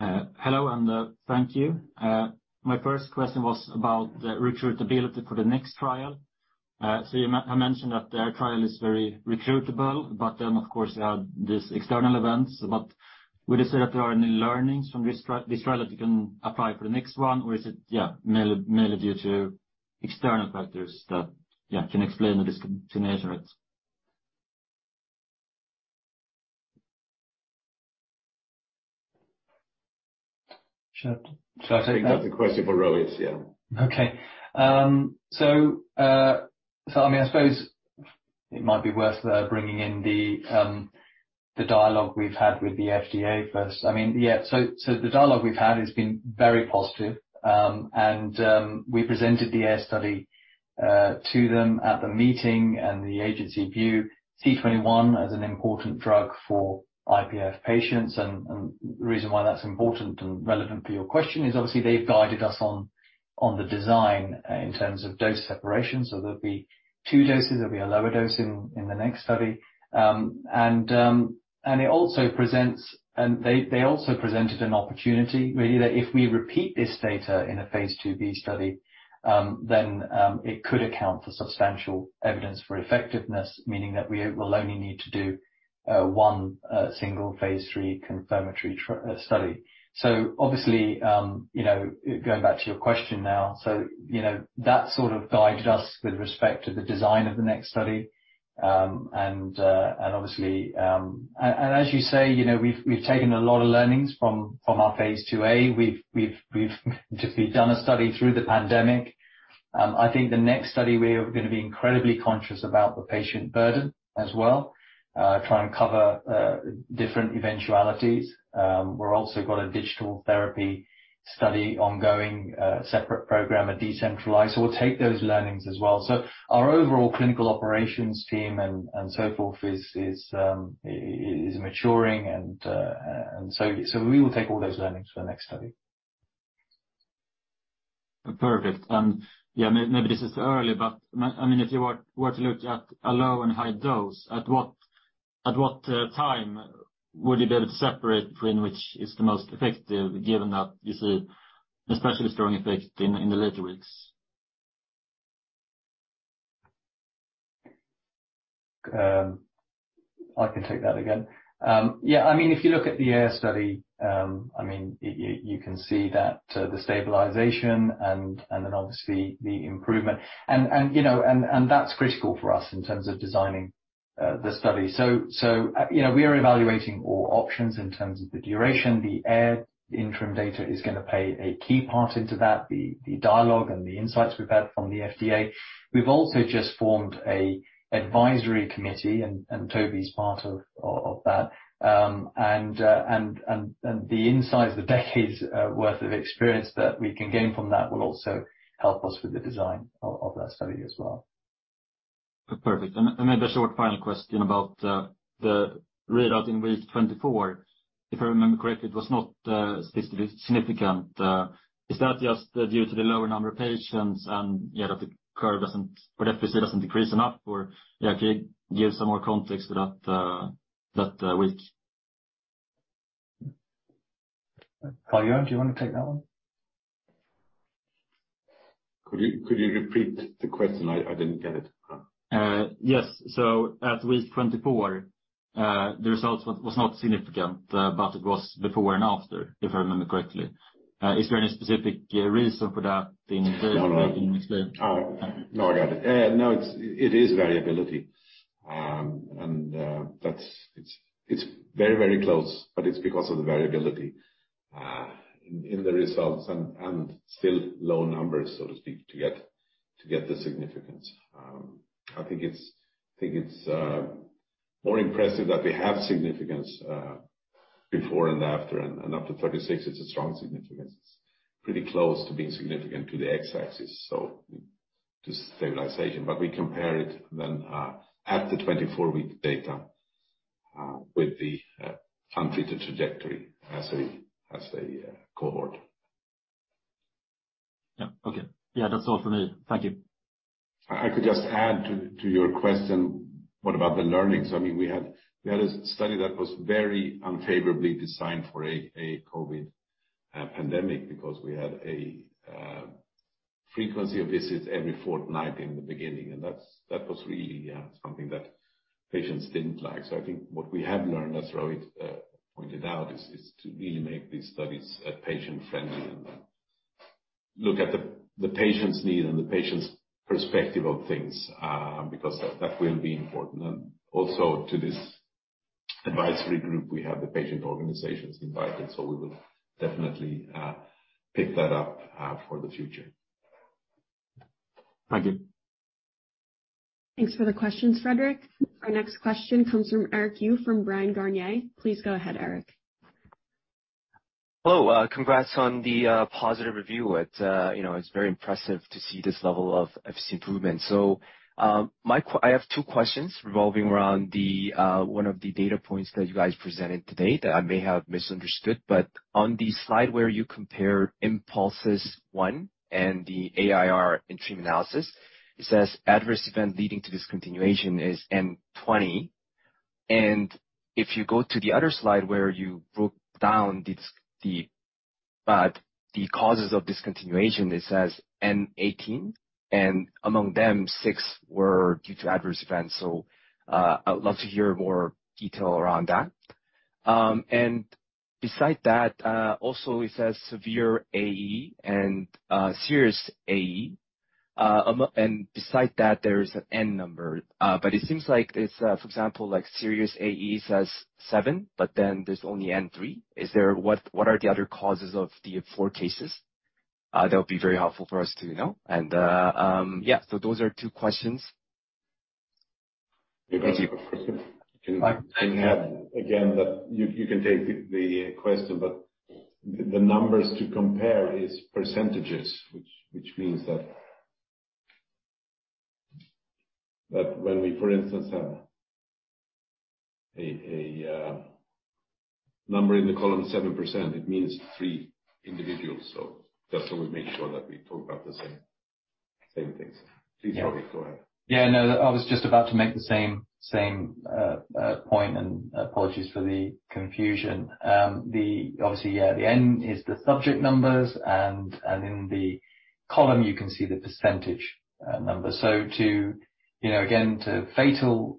Hello, and thank you. My first question was about the recruitability for the next trial. So you mentioned that the trial is very recruitable, but then, of course, you have these external events. Would you say that there are any learnings from this trial that you can apply for the next one, or is it mainly due to external factors that can explain the discontinuation rate? Should I take that? I think that's a question for Rohit, yeah. Okay. I mean, I suppose it might be worth bringing in the dialogue we've had with the FDA first. I mean, yeah. The dialogue we've had has been very positive. We presented the AIR study to them at the meeting, and the agency views C21 as an important drug for IPF patients. The reason why that's important and relevant for your question is obviously they've guided us on the design in terms of dose separation. There'll be two doses. There'll be a lower dose in the next study. It also presents, and they also presented, an opportunity, really, that if we repeat this data in a phase II-B study, then it could account for substantial evidence for effectiveness, meaning that we will only need to do one single phase III confirmatory study. Obviously, you know, going back to your question now, that sort of guided us with respect to the design of the next study. As you say, you know, we've taken a lot of learnings from our phase II-A. We've just done a study through the pandemic. I think the next study, we are gonna be incredibly conscious about the patient burden as well, try and cover different eventualities. We're also got a digital therapy study ongoing, separate program, a decentralized. We'll take those learnings as well. Our overall clinical operations team and so forth is maturing and so we will take all those learnings for the next study. Perfect. Yeah, maybe this is early, but I mean, if you were to look at a low and high dose, at what time would you be able to separate between which is the most effective, given that you see especially strong effect in the later weeks? I can take that again. Yeah. I mean, if you look at the AIR study, I mean, you can see that the stabilization and then obviously the improvement. You know, that's critical for us in terms of designing the study. You know, we are evaluating all options in terms of the duration. The AIR interim data is gonna play a key part into that, the dialogue and the insights we've had from the FDA. We've also just formed an advisory committee, and Toby is part of that. The insights, the decades worth of experience that we can gain from that will also help us with the design of that study as well. Perfect. Maybe a short final question about the readout in week 24. If I remember correctly, it was not statistically significant. Is that just due to the lower number of patients and that the curve doesn't or FVC doesn't decrease enough? Or can you give some more context to that week? Carl-Johan, do you wanna take that one? Could you repeat the question? I didn't get it. Yes. At week 24, the results was not significant, but it was before and after, if I remember correctly. Is there any specific reason for that in- No, I got it. No, it's variability. That's very, very close, but it's because of the variability in the results and still low numbers, so to speak, to get the significance. I think it's more impressive that we have significance before and after, and up to 36 it's a strong significance. It's pretty close to being significant to the x-axis, so to stabilization. We compare it then at the 24-week data with the unfitted trajectory as a cohort. Yeah. Okay. Yeah, that's all for me. Thank you. If I could just add to your question, what about the learnings? I mean, we had a study that was very unfavorably designed for a COVID pandemic because we had a frequency of visits every fortnight in the beginning, and that was really something that patients didn't like. I think what we have learned, as Rohit pointed out, is to really make these studies patient-friendly and look at the patient's need and the patient's perspective of things, because that will be important. Also to this advisory group, we have the patient organizations invited, so we will definitely pick that up for the future. Thank you. Thanks for the questions, Fredrik. Our next question comes from Eric Yu from Bryan, Garnier. Please go ahead, Eric. Hello. Congrats on the positive review. You know, it's very impressive to see this level of FVC improvement. I have two questions revolving around one of the data points that you guys presented today that I may have misunderstood. On the slide where you compare INPULSIS-1 and the AIR interim analysis, it says adverse event leading to discontinuation is N 20. If you go to the other slide where you broke down the causes of discontinuation, it says N 18, and among them six were due to adverse events. I'd love to hear more detail around that. Besides that, also it says severe AE and serious AE. Among and besides that there is an N number. It seems like it's, for example, like, serious AE is seven, but then there's only N three. What are the other causes of the four cases? That would be very helpful for us to know. Yeah, so those are two questions. Again, you can take the question, but the numbers to compare is percentages, which means that when we, for instance, have a number in the column 7%, it means three individuals. Just so we make sure that we talk about the same things. Please, Rohit, go ahead. I was just about to make the same point, and apologies for the confusion. Obviously, the N is the subject numbers and in the column you can see the percentage number. So, you know, again, to fatal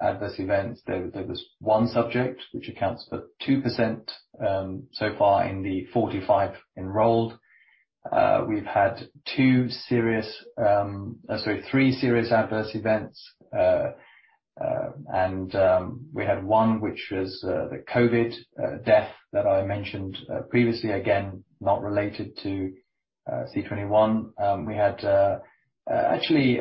adverse events, there was one subject which accounts for 2%, so far in the 45 enrolled. We've had two serious, sorry, three serious adverse events. We had one which was the COVID death that I mentioned previously, again, not related to C21. We had actually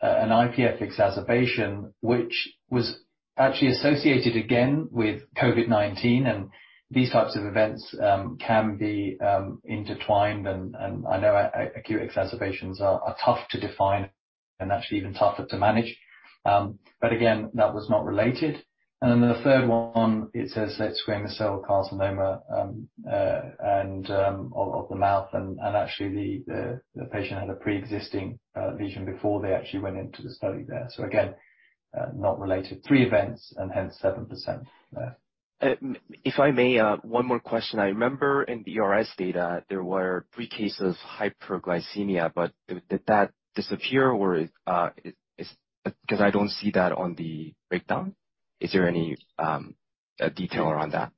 an IPF exacerbation which was actually associated again with COVID-19. These types of events can be intertwined and I know acute exacerbations are tough to define and actually even tougher to manage. Again, that was not related. The third one, it says squamous cell carcinoma of the mouth. Actually, the patient had a pre-existing lesion before they actually went into the study there. Again, not related. Three events and hence 7%. Yeah. If I may, one more question. I remember in the RS data there were three cases hyperglycemia, but did that disappear or is 'cause I don't see that on the breakdown. Is there any detail around that?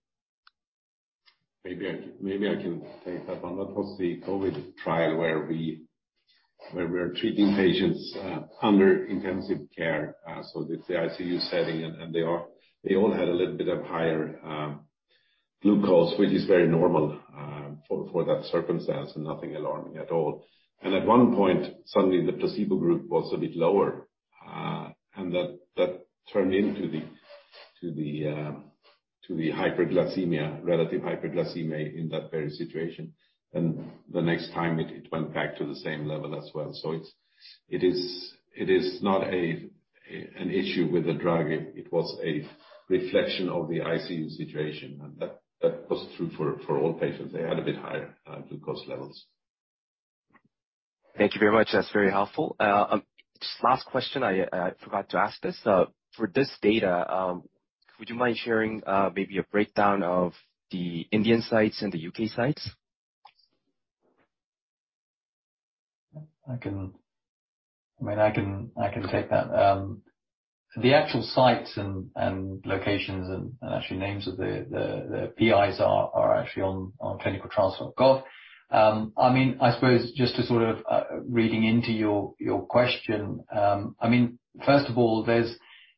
Maybe I can take that one. That was the COVID trial where we're treating patients under intensive care, so in the ICU setting. They all had a little bit higher glucose, which is very normal for that circumstance and nothing alarming at all. At one point, suddenly the placebo group was a bit lower, and that turned into the relative hyperglycemia in that very situation. The next time it went back to the same level as well. It's not an issue with the drug. It was a reflection of the ICU situation. That goes through for all patients. They had a bit higher glucose levels. Thank you very much. That's very helpful. Last question. I forgot to ask this. For this data, would you mind sharing, maybe a breakdown of the Indian sites and the U.K. sites? I mean, I can take that. The actual sites and locations and actually names of the PIs are actually on ClinicalTrials.gov. I mean, I suppose just to sort of reading into your question, I mean, first of all, there's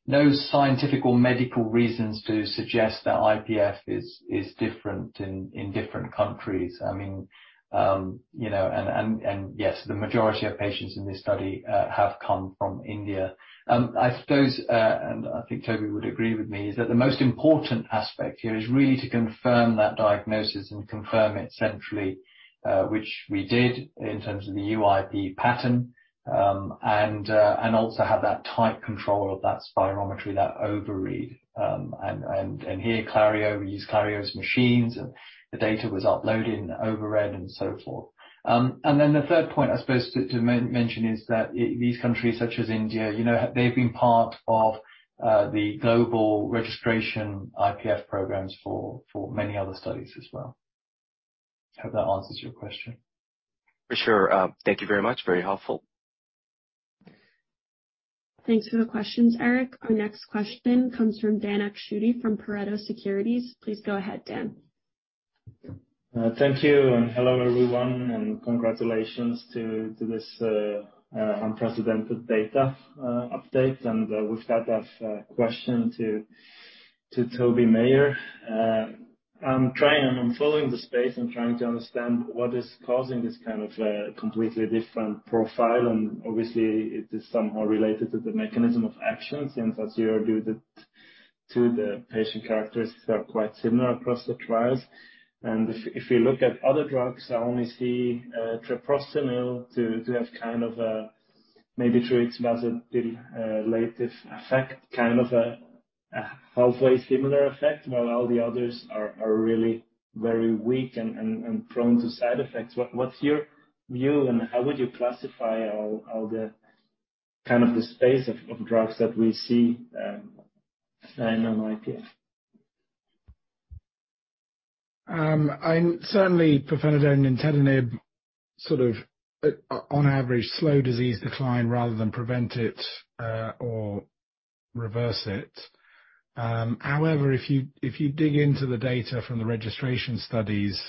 no scientific or medical reasons to suggest that IPF is different in different countries. I mean, you know, and yes, the majority of patients in this study have come from India. I suppose, and I think Toby would agree with me, is that the most important aspect here is really to confirm that diagnosis and confirm it centrally, which we did in terms of the UIP pattern, and also have that tight control of that spirometry, that overread. Here, Clario, we use Clario's machines, and the data was uploaded and overread and so forth. The third point, I suppose, to mention is that these countries such as India, you know, they've been part of the global registration IPF programs for many other studies as well. Hope that answers your question. For sure. Thank you very much. Very helpful. Thanks for the questions, Eric. Our next question comes from Dan Akschuti from Pareto Securities. Please go ahead, Dan. Thank you, and hello, everyone, and congratulations to this unprecedented data update. With that, I have a question to Toby Maher. I'm following the space and trying to understand what is causing this kind of completely different profile. Obviously it is somehow related to the mechanism of action since, as you argue that the patient characteristics are quite similar across the trials. If you look at other drugs, I only see treprostinil to have kind of a, maybe to its vasodilative effect, kind of a halfway similar effect, while all the others are really very weak and prone to side effects. What's your view, and how would you classify all the kind of the space of drugs that we see in IPF? Certainly pirfenidone and nintedanib sort of, on average, slow disease decline rather than prevent it, or reverse it. However, if you dig into the data from the registration studies,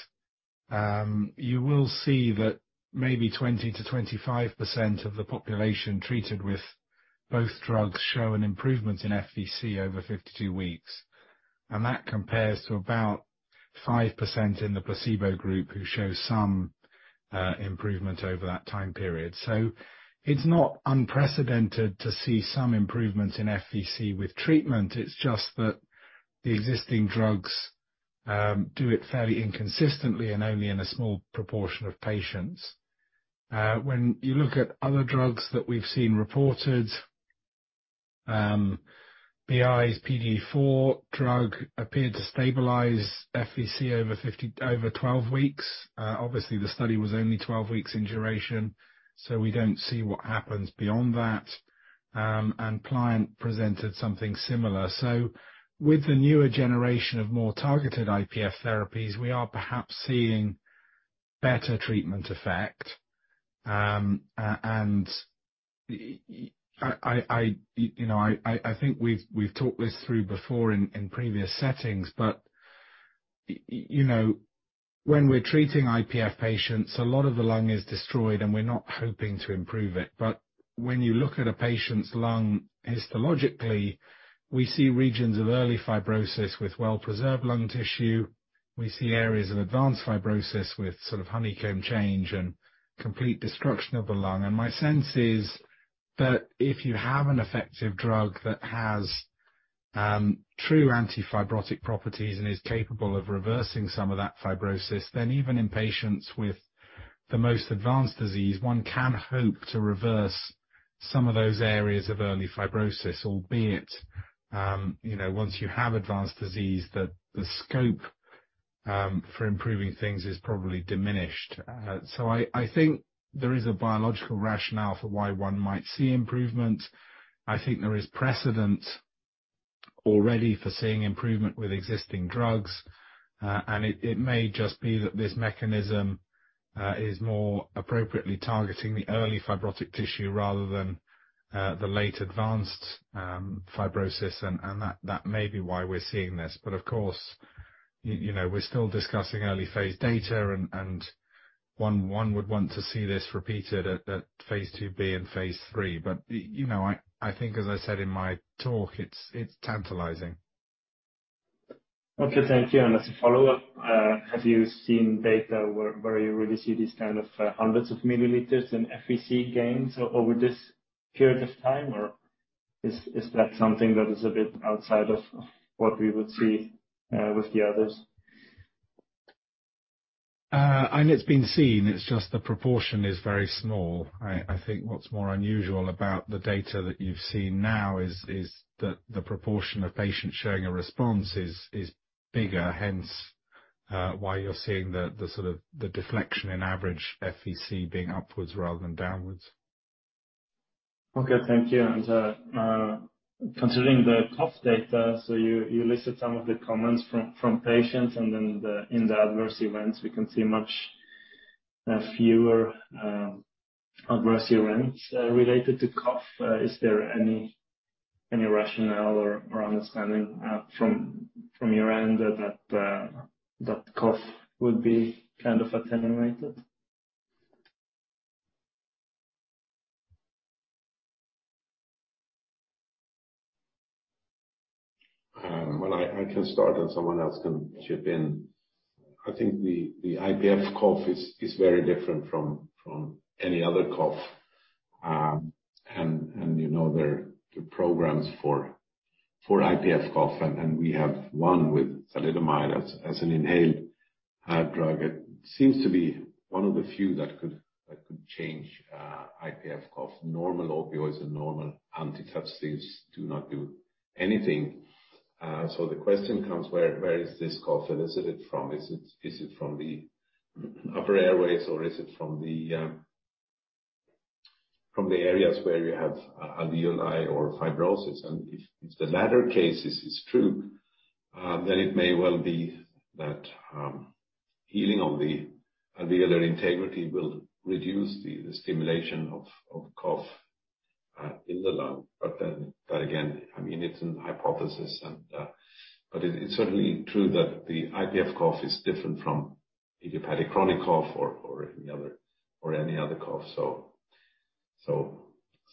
you will see that maybe 20%-25% of the population treated with both drugs show an improvement in FVC over 52 weeks. That compares to about 5% in the placebo group who show some improvement over that time period. It's not unprecedented to see some improvements in FVC with treatment. It's just that the existing drugs do it fairly inconsistently and only in a small proportion of patients. When you look at other drugs that we've seen reported, BI's PDE4 drug appeared to stabilize FVC over 12 weeks. Obviously the study was only 12 weeks in duration, so we don't see what happens beyond that. Pliant presented something similar. With the newer generation of more targeted IPF therapies, we are perhaps seeing better treatment effect. You know, I think we've talked this through before in previous settings, but you know, when we're treating IPF patients, a lot of the lung is destroyed, and we're not hoping to improve it. When you look at a patient's lung histologically, we see regions of early fibrosis with well-preserved lung tissue. We see areas of advanced fibrosis with sort of honeycomb change and complete destruction of the lung. My sense is that if you have an effective drug that has true anti-fibrotic properties and is capable of reversing some of that fibrosis, then even in patients with the most advanced disease, one can hope to reverse some of those areas of early fibrosis. Albeit, you know, once you have advanced disease, the scope for improving things is probably diminished. I think there is a biological rationale for why one might see improvement. I think there is precedent already for seeing improvement with existing drugs. It may just be that this mechanism is more appropriately targeting the early fibrotic tissue rather than the late advanced fibrosis and that may be why we're seeing this. Of course, you know, we're still discussing early phase data and one would want to see this repeated at phase II-B and phase III. You know, I think as I said in my talk, it's tantalizing. Okay, thank you. As a follow-up, have you seen data where you really see these kind of hundreds of milliliters in FVC gains over this period of time, or is that something that is a bit outside of what we would see with the others? It's been seen, it's just the proportion is very small. I think what's more unusual about the data that you've seen now is that the proportion of patients showing a response is bigger, hence- Why you're seeing the deflection in average FVC being upwards rather than downwards. Okay, thank you. Considering the cough data, so you listed some of the comments from patients, and then in the adverse events, we can see much fewer adverse events related to cough. Is there any rationale or understanding from your end that cough would be kind of attenuated? Well, I can start and someone else can chip in. I think the IPF cough is very different from any other cough. You know, there are programs for IPF cough and we have one with thalidomide as an inhaled drug. It seems to be one of the few that could change IPF cough. Normal opioids and normal antitussives do not do anything. The question comes, where is this cough elicited from? Is it from the upper airways, or is it from the areas where you have alveoli or fibrosis? If the latter case is true, then it may well be that healing of the alveolar integrity will reduce the stimulation of cough in the lung. Again, I mean, it's a hypothesis and it's certainly true that the IPF cough is different from idiopathic chronic cough or any other cough.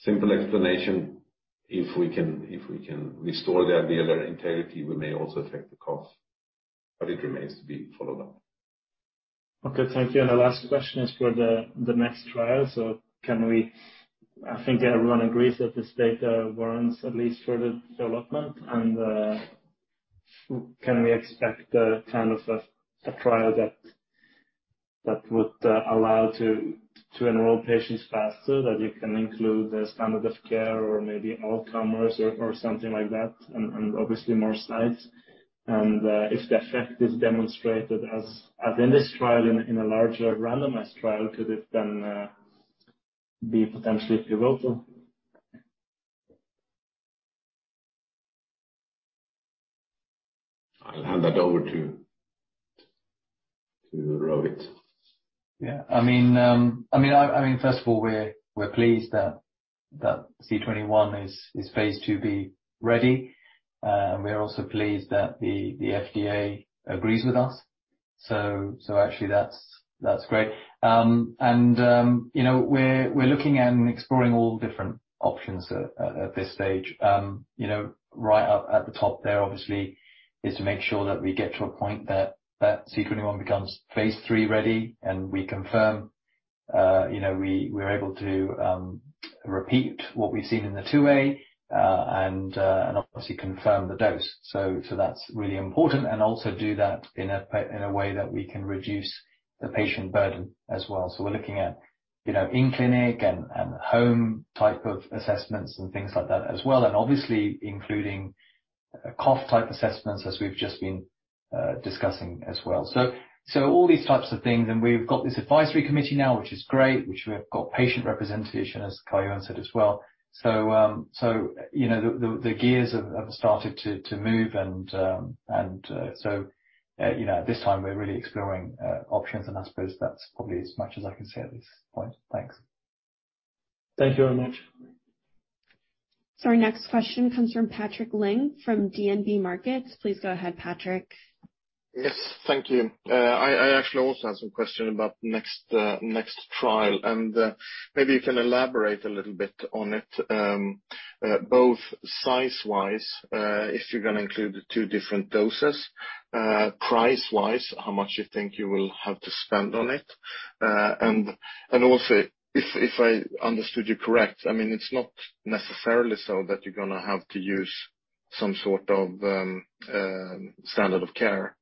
Simple explanation, if we can restore the alveolar integrity, we may also affect the cough, but it remains to be followed up. Okay, thank you. The last question is for the next trial. I think everyone agrees that this data warrants at least further development. Can we expect a kind of a trial that would allow to enroll patients faster, that you can include a standard of care or maybe all comers or something like that, and obviously more sites? If the effect is demonstrated as in this trial in a larger randomized trial, could it then be potentially pivotal? I'll hand that over to Rohit. Yeah. I mean, first of all, we're pleased that C21 is phase II-B-ready. We are also pleased that the FDA agrees with us. Actually that's great. You know, we're looking and exploring all different options at this stage. You know, right up at the top there obviously is to make sure that we get to a point that C21 becomes phase III-ready, and we confirm, you know, we're able to repeat what we've seen in the II-A, and obviously confirm the dose. That's really important. Also do that in a way that we can reduce the patient burden as well. We're looking at, you know, in-clinic and home-type assessments and things like that as well. Obviously including cough-type assessments, as we've just been discussing as well. All these types of things, and we've got this advisory committee now, which is great, which we have got patient representation, as Carl-Johan said as well. You know, the gears have started to move, and so, you know, at this time we're really exploring options, and I suppose that's probably as much as I can say at this point. Thanks. Thank you very much. Our next question comes from Patrik Ling from DNB Markets. Please go ahead, Patrik. Yes, thank you. I actually also have some question about next trial, and maybe you can elaborate a little bit on it. Both size-wise, if you're gonna include the two different doses. Price-wise, how much you think you will have to spend on it? And also if I understood you correct, I mean, it's not necessarily so that you're gonna have to use some sort of standard of care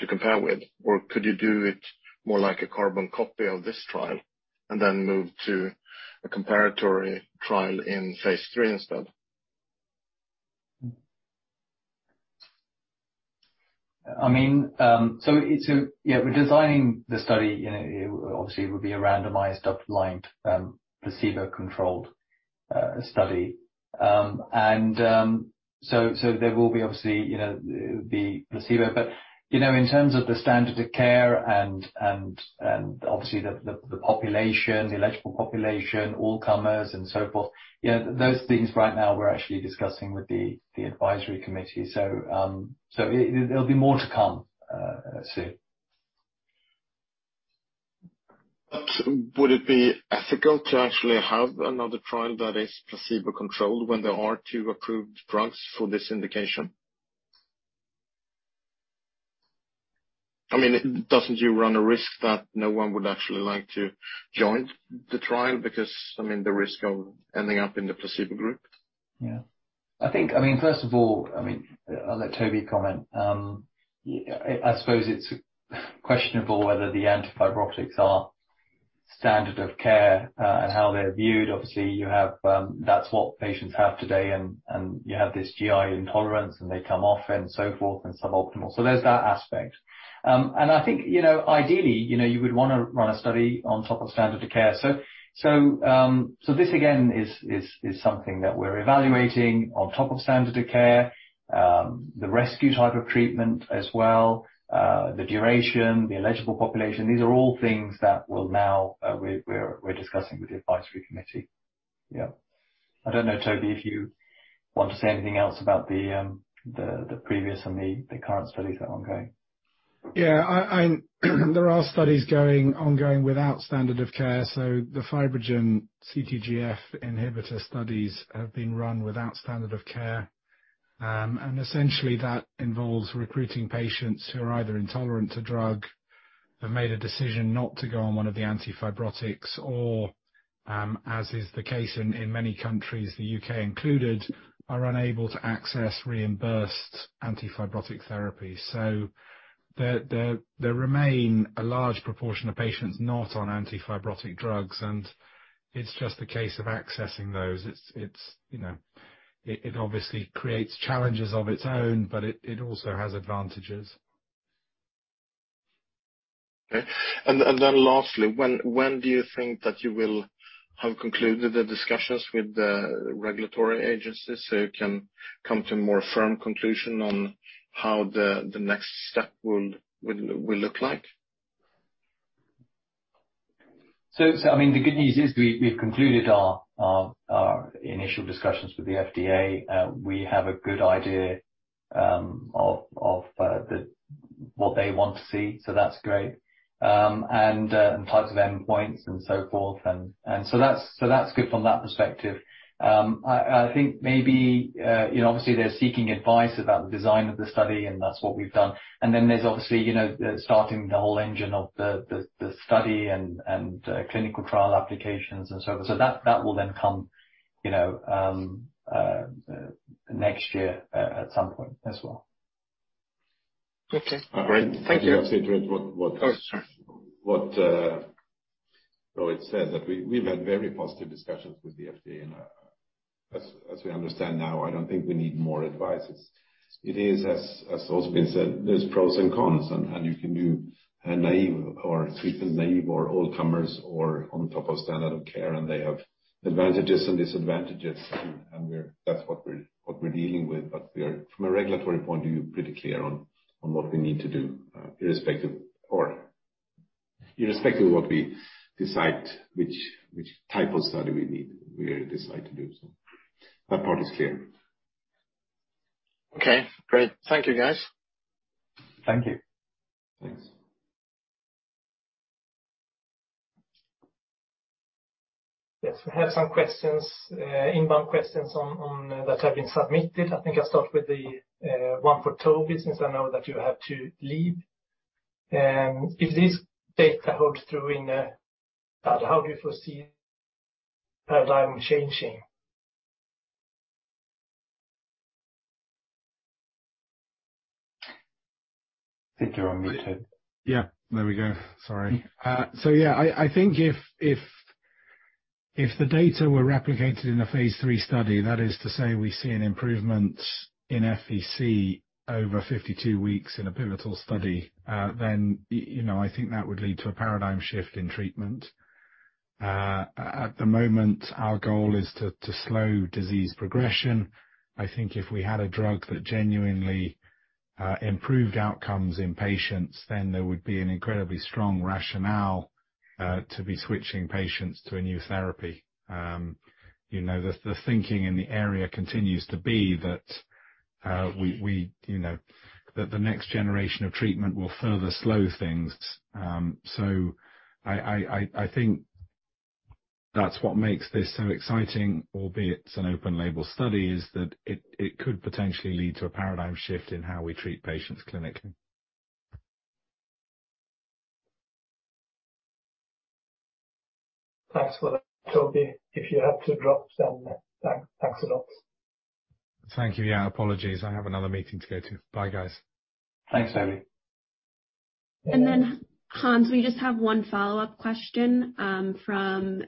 to compare with. Or could you do it more like a carbon copy of this trial and then move to a comparator trial in phase III instead? I mean, yeah, we're designing the study. You know, obviously it would be a randomized, double-blind, placebo-controlled study. There will be obviously, you know, the placebo. You know, in terms of the standard of care and obviously the population, the eligible population, all comers and so forth, you know, those things right now we're actually discussing with the advisory committee. There'll be more to come soon. Would it be ethical to actually have another trial that is placebo-controlled when there are two approved drugs for this indication? I mean, don't you run a risk that no one would actually like to join the trial because, I mean, the risk of ending up in the placebo group? Yeah. I think, I mean, first of all, I'll let Toby comment. I suppose it's questionable whether the antifibrotics are standard of care, and how they're viewed. Obviously, you have, that's what patients have today and you have this GI intolerance, and they come off and so forth and suboptimal. There's that aspect. I think, you know, ideally, you know, you would wanna run a study on top of standard of care. This again is something that we're evaluating on top of standard of care, the rescue type of treatment as well, the duration, the eligible population. These are all things that we'll now discuss with the advisory committee. Yeah. I don't know, Toby, if you want to say anything else about the previous and the current studies that are ongoing. Yeah. There are ongoing studies without standard of care. The FibroGen CTGF inhibitor studies have been run without standard of care. Essentially that involves recruiting patients who are either intolerant to drug, have made a decision not to go on one of the antifibrotics or, as is the case in many countries, the U.K. included, are unable to access reimbursed antifibrotic therapy. There remain a large proportion of patients not on antifibrotic drugs, and it's just a case of accessing those. It's you know. It obviously creates challenges of its own, but it also has advantages. Okay. Then lastly, when do you think that you will have concluded the discussions with the regulatory agencies so you can come to a more firm conclusion on how the next step will look like? I mean, the good news is we've concluded our initial discussions with the FDA. We have a good idea of what they want to see, and types of endpoints and so forth. That's great, and that's good from that perspective. I think maybe, you know, obviously they're seeking advice about the design of the study, and that's what we've done. There's obviously, you know, starting the whole engine of the study and clinical trial applications and so forth. That will then come, you know, next year at some point as well. Okay. Great. Thank you. I'll say to what- Oh, sorry. What Rohit said, that we've had very positive discussions with the FDA, and as we understand now, I don't think we need more advice. It is, as has also been said, there are pros and cons, and you can do a naïve or treatment-naïve or all comers or on top of standard of care, and they have advantages and disadvantages. We're... that's what we're dealing with. We are, from a regulatory point of view, pretty clear on what we need to do, irrespective of what we decide which type of study we need to do. That part is clear. Okay, great. Thank you, guys. Thank you. Thanks. Yes. We have some questions, inbound questions on that have been submitted. I think I'll start with the one for Toby, since I know that you have to leave. If this data holds true in, how do you foresee paradigm changing? I think you're on mute, Toby. Yeah, there we go. Sorry. I think if the data were replicated in a phase III study, that is to say we see an improvement in FVC over 52 weeks in a pivotal study, then you know, I think that would lead to a paradigm shift in treatment. At the moment, our goal is to slow disease progression. I think if we had a drug that genuinely improved outcomes in patients, then there would be an incredibly strong rationale to be switching patients to a new therapy. You know, the thinking in the area continues to be that we, you know, that the next generation of treatment will further slow things. I think that's what makes this so exciting, albeit an open label study, is that it could potentially lead to a paradigm shift in how we treat patients clinically. Thanks for that, Toby. If you have to drop then, thanks a lot. Thank you. Yeah, apologies. I have another meeting to go to. Bye, guys. Thanks, Toby. Hans, we just have one follow-up question from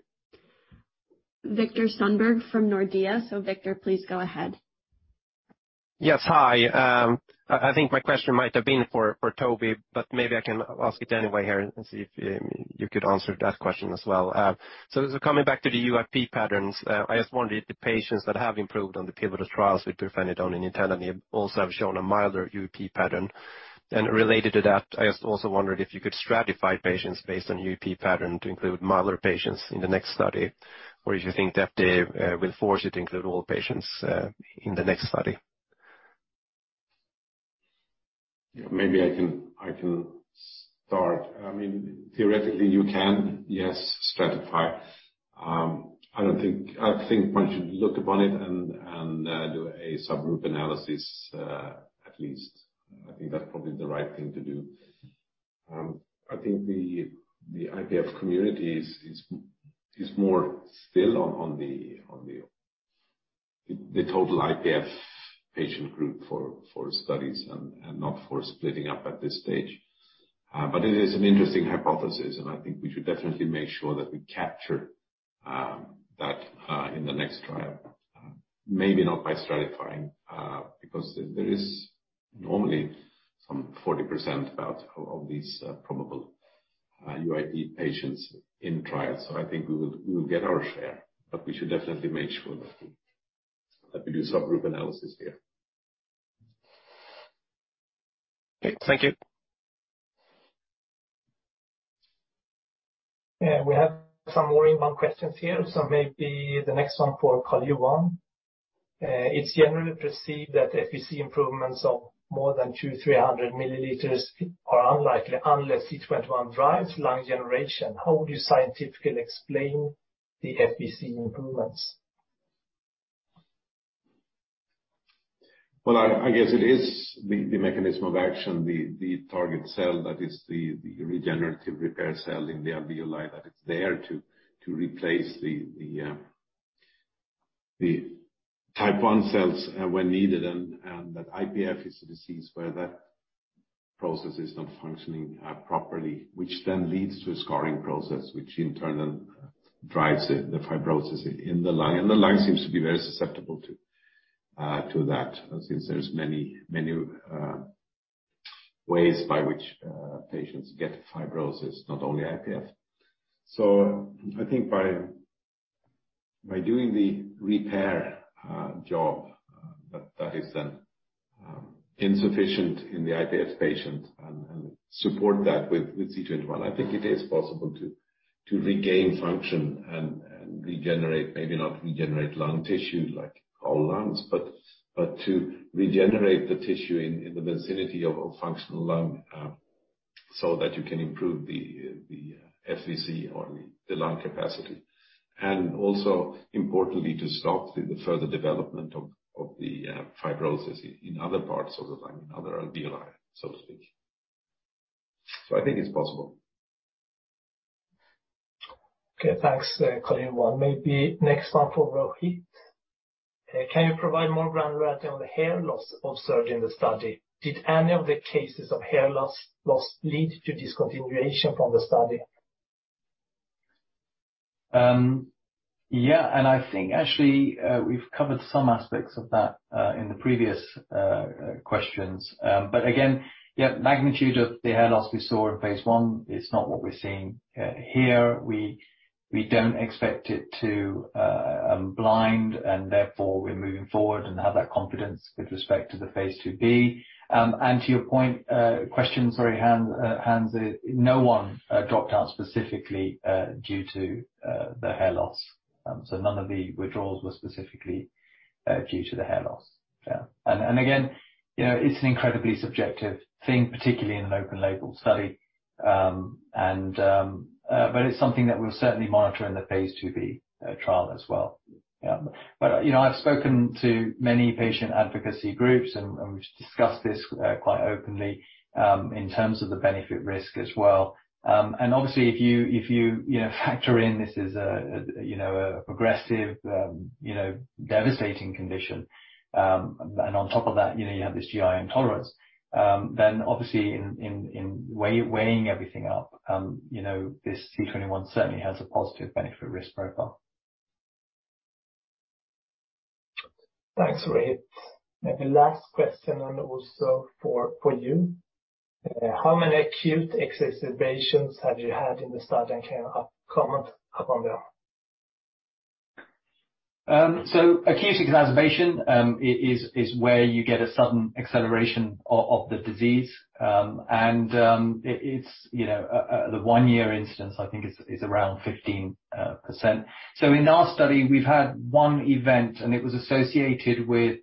Viktor Sundberg from Nordea. Viktor, please go ahead. Yes. Hi. I think my question might have been for Toby, but maybe I can ask it anyway here and see if you could answer that question as well. Just coming back to the UIP patterns, I just wondered if the patients that have improved on the pivotal trials with pirfenidone and nintedanib also have shown a milder UIP pattern. Related to that, I just also wondered if you could stratify patients based on UIP pattern to include milder patients in the next study, or if you think that they will force you to include all patients in the next study. Yeah, maybe I can start. I mean, theoretically, you can, yes, stratify. I think one should look upon it and do a subgroup analysis at least. I think that's probably the right thing to do. I think the IPF community is more still on the total IPF patient group for studies and not for splitting up at this stage. It is an interesting hypothesis, and I think we should definitely make sure that we capture that in the next trial. Maybe not by stratifying because there is normally about 40% of these probable UIP patients in trials. I think we will get our share. We should definitely make sure that we do subgroup analysis here. Okay. Thank you. Yeah, we have some more inbound questions here. Maybe the next one for Carl-Johan. It's generally perceived that FVC improvements of more than 200 mL-300 mL are unlikely unless C21 drives lung regeneration. How would you scientifically explain the FVC improvements? Well, I guess it is the mechanism of action, the target cell that is the regenerative repair cell in the alveoli that it's there to replace the type I cells when needed. That IPF is a disease where that process is not functioning properly which then leads to a scarring process. Which in turn drives the fibrosis in the lung. The lung seems to be very susceptible to that. Since there's many ways by which patients get fibrosis, not only IPF. I think by doing the repair job that is insufficient in the IPF patient and support that with C21, I think it is possible to regain function and regenerate. Maybe not regenerate lung tissue like whole lungs, but to regenerate the tissue in the vicinity of functional lung, so that you can improve the FVC or the lung capacity. Also importantly to stop the further development of the fibrosis in other parts of the lung and other alveoli, so to speak. I think it's possible. Okay. Thanks, Carl-Johan. Maybe next one for Rohit. Can you provide more granularity on the hair loss observed in the study? Did any of the cases of hair loss lead to discontinuation from the study? Yeah. I think actually, we've covered some aspects of that in the previous questions. The magnitude of the hair loss we saw in phase I is not what we're seeing here. We don't expect it to blind, and therefore we're moving forward and have that confidence with respect to the phase II-B. To your question, sorry, Hans, no one dropped out specifically due to the hair loss. So none of the withdrawals were specifically due to the hair loss. Yeah. Again, you know, it's an incredibly subjective thing, particularly in an open label study. But it's something that we'll certainly monitor in the phase II-B trial as well. Yeah. You know, I've spoken to many patient advocacy groups and we've discussed this quite openly in terms of the benefit risk as well. Obviously if you you know factor in this as a you know a progressive you know devastating condition and on top of that you know you have this GI intolerance then obviously in weighing everything up you know this C21 certainly has a positive benefit risk profile. Thanks, Rohit. Maybe last question and also for you. How many acute exacerbations have you had in the study and can comment upon them? Acute exacerbation is where you get a sudden acceleration of the disease. It's, you know, the one-year incidence I think is around 15%. In our study we've had one event and it was associated with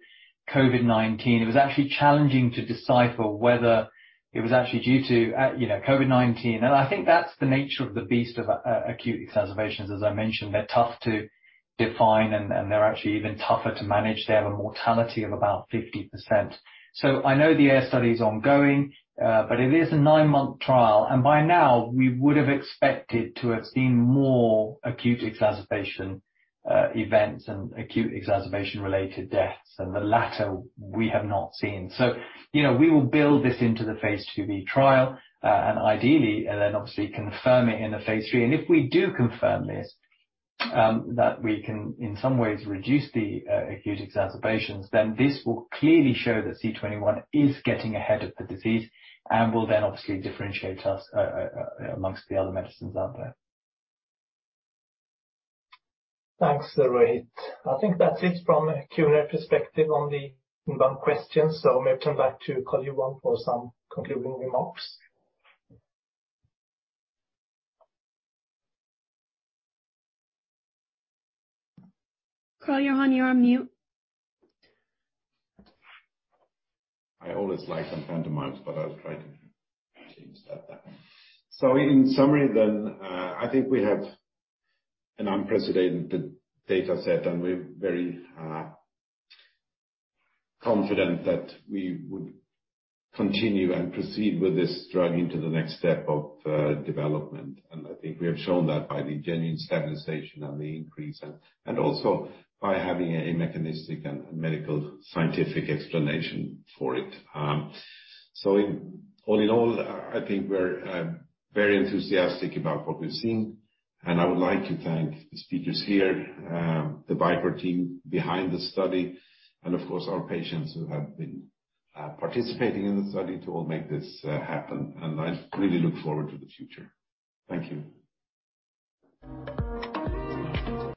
COVID-19. It was actually challenging to decipher whether it was actually due to COVID-19. I think that's the nature of the beast of acute exacerbations. As I mentioned, they're tough to define and they're actually even tougher to manage. They have a mortality of about 50%. I know the AIR study is ongoing, but it is a nine-month trial, and by now we would have expected to have seen more acute exacerbation events and acute exacerbation-related deaths. The latter we have not seen. You know, we will build this into the phase II-B trial, and ideally, and then obviously confirm it in a phase III. If we do confirm this, that we can in some ways reduce the acute exacerbations, then this will clearly show that C21 is getting ahead of the disease and will then obviously differentiate us among the other medicines out there. Thanks, Rohit. I think that's it from a Q&A perspective on the inbound questions. Maybe come back to Carl-Johan for some concluding remarks. Carl-Johan, you're on mute. I always like some pantomimes, but I'll try to actually start that one. In summary then, I think we have an unprecedented data set, and we're very confident that we would continue and proceed with this drug into the next step of development. I think we have shown that by the genuine stabilization and the increase and also by having a mechanistic and medical scientific explanation for it. In all in all, I think we're very enthusiastic about what we're seeing, and I would like to thank the speakers here, the Vicore team behind the study, and of course, our patients who have been participating in the study to all make this happen. I really look forward to the future. Thank you.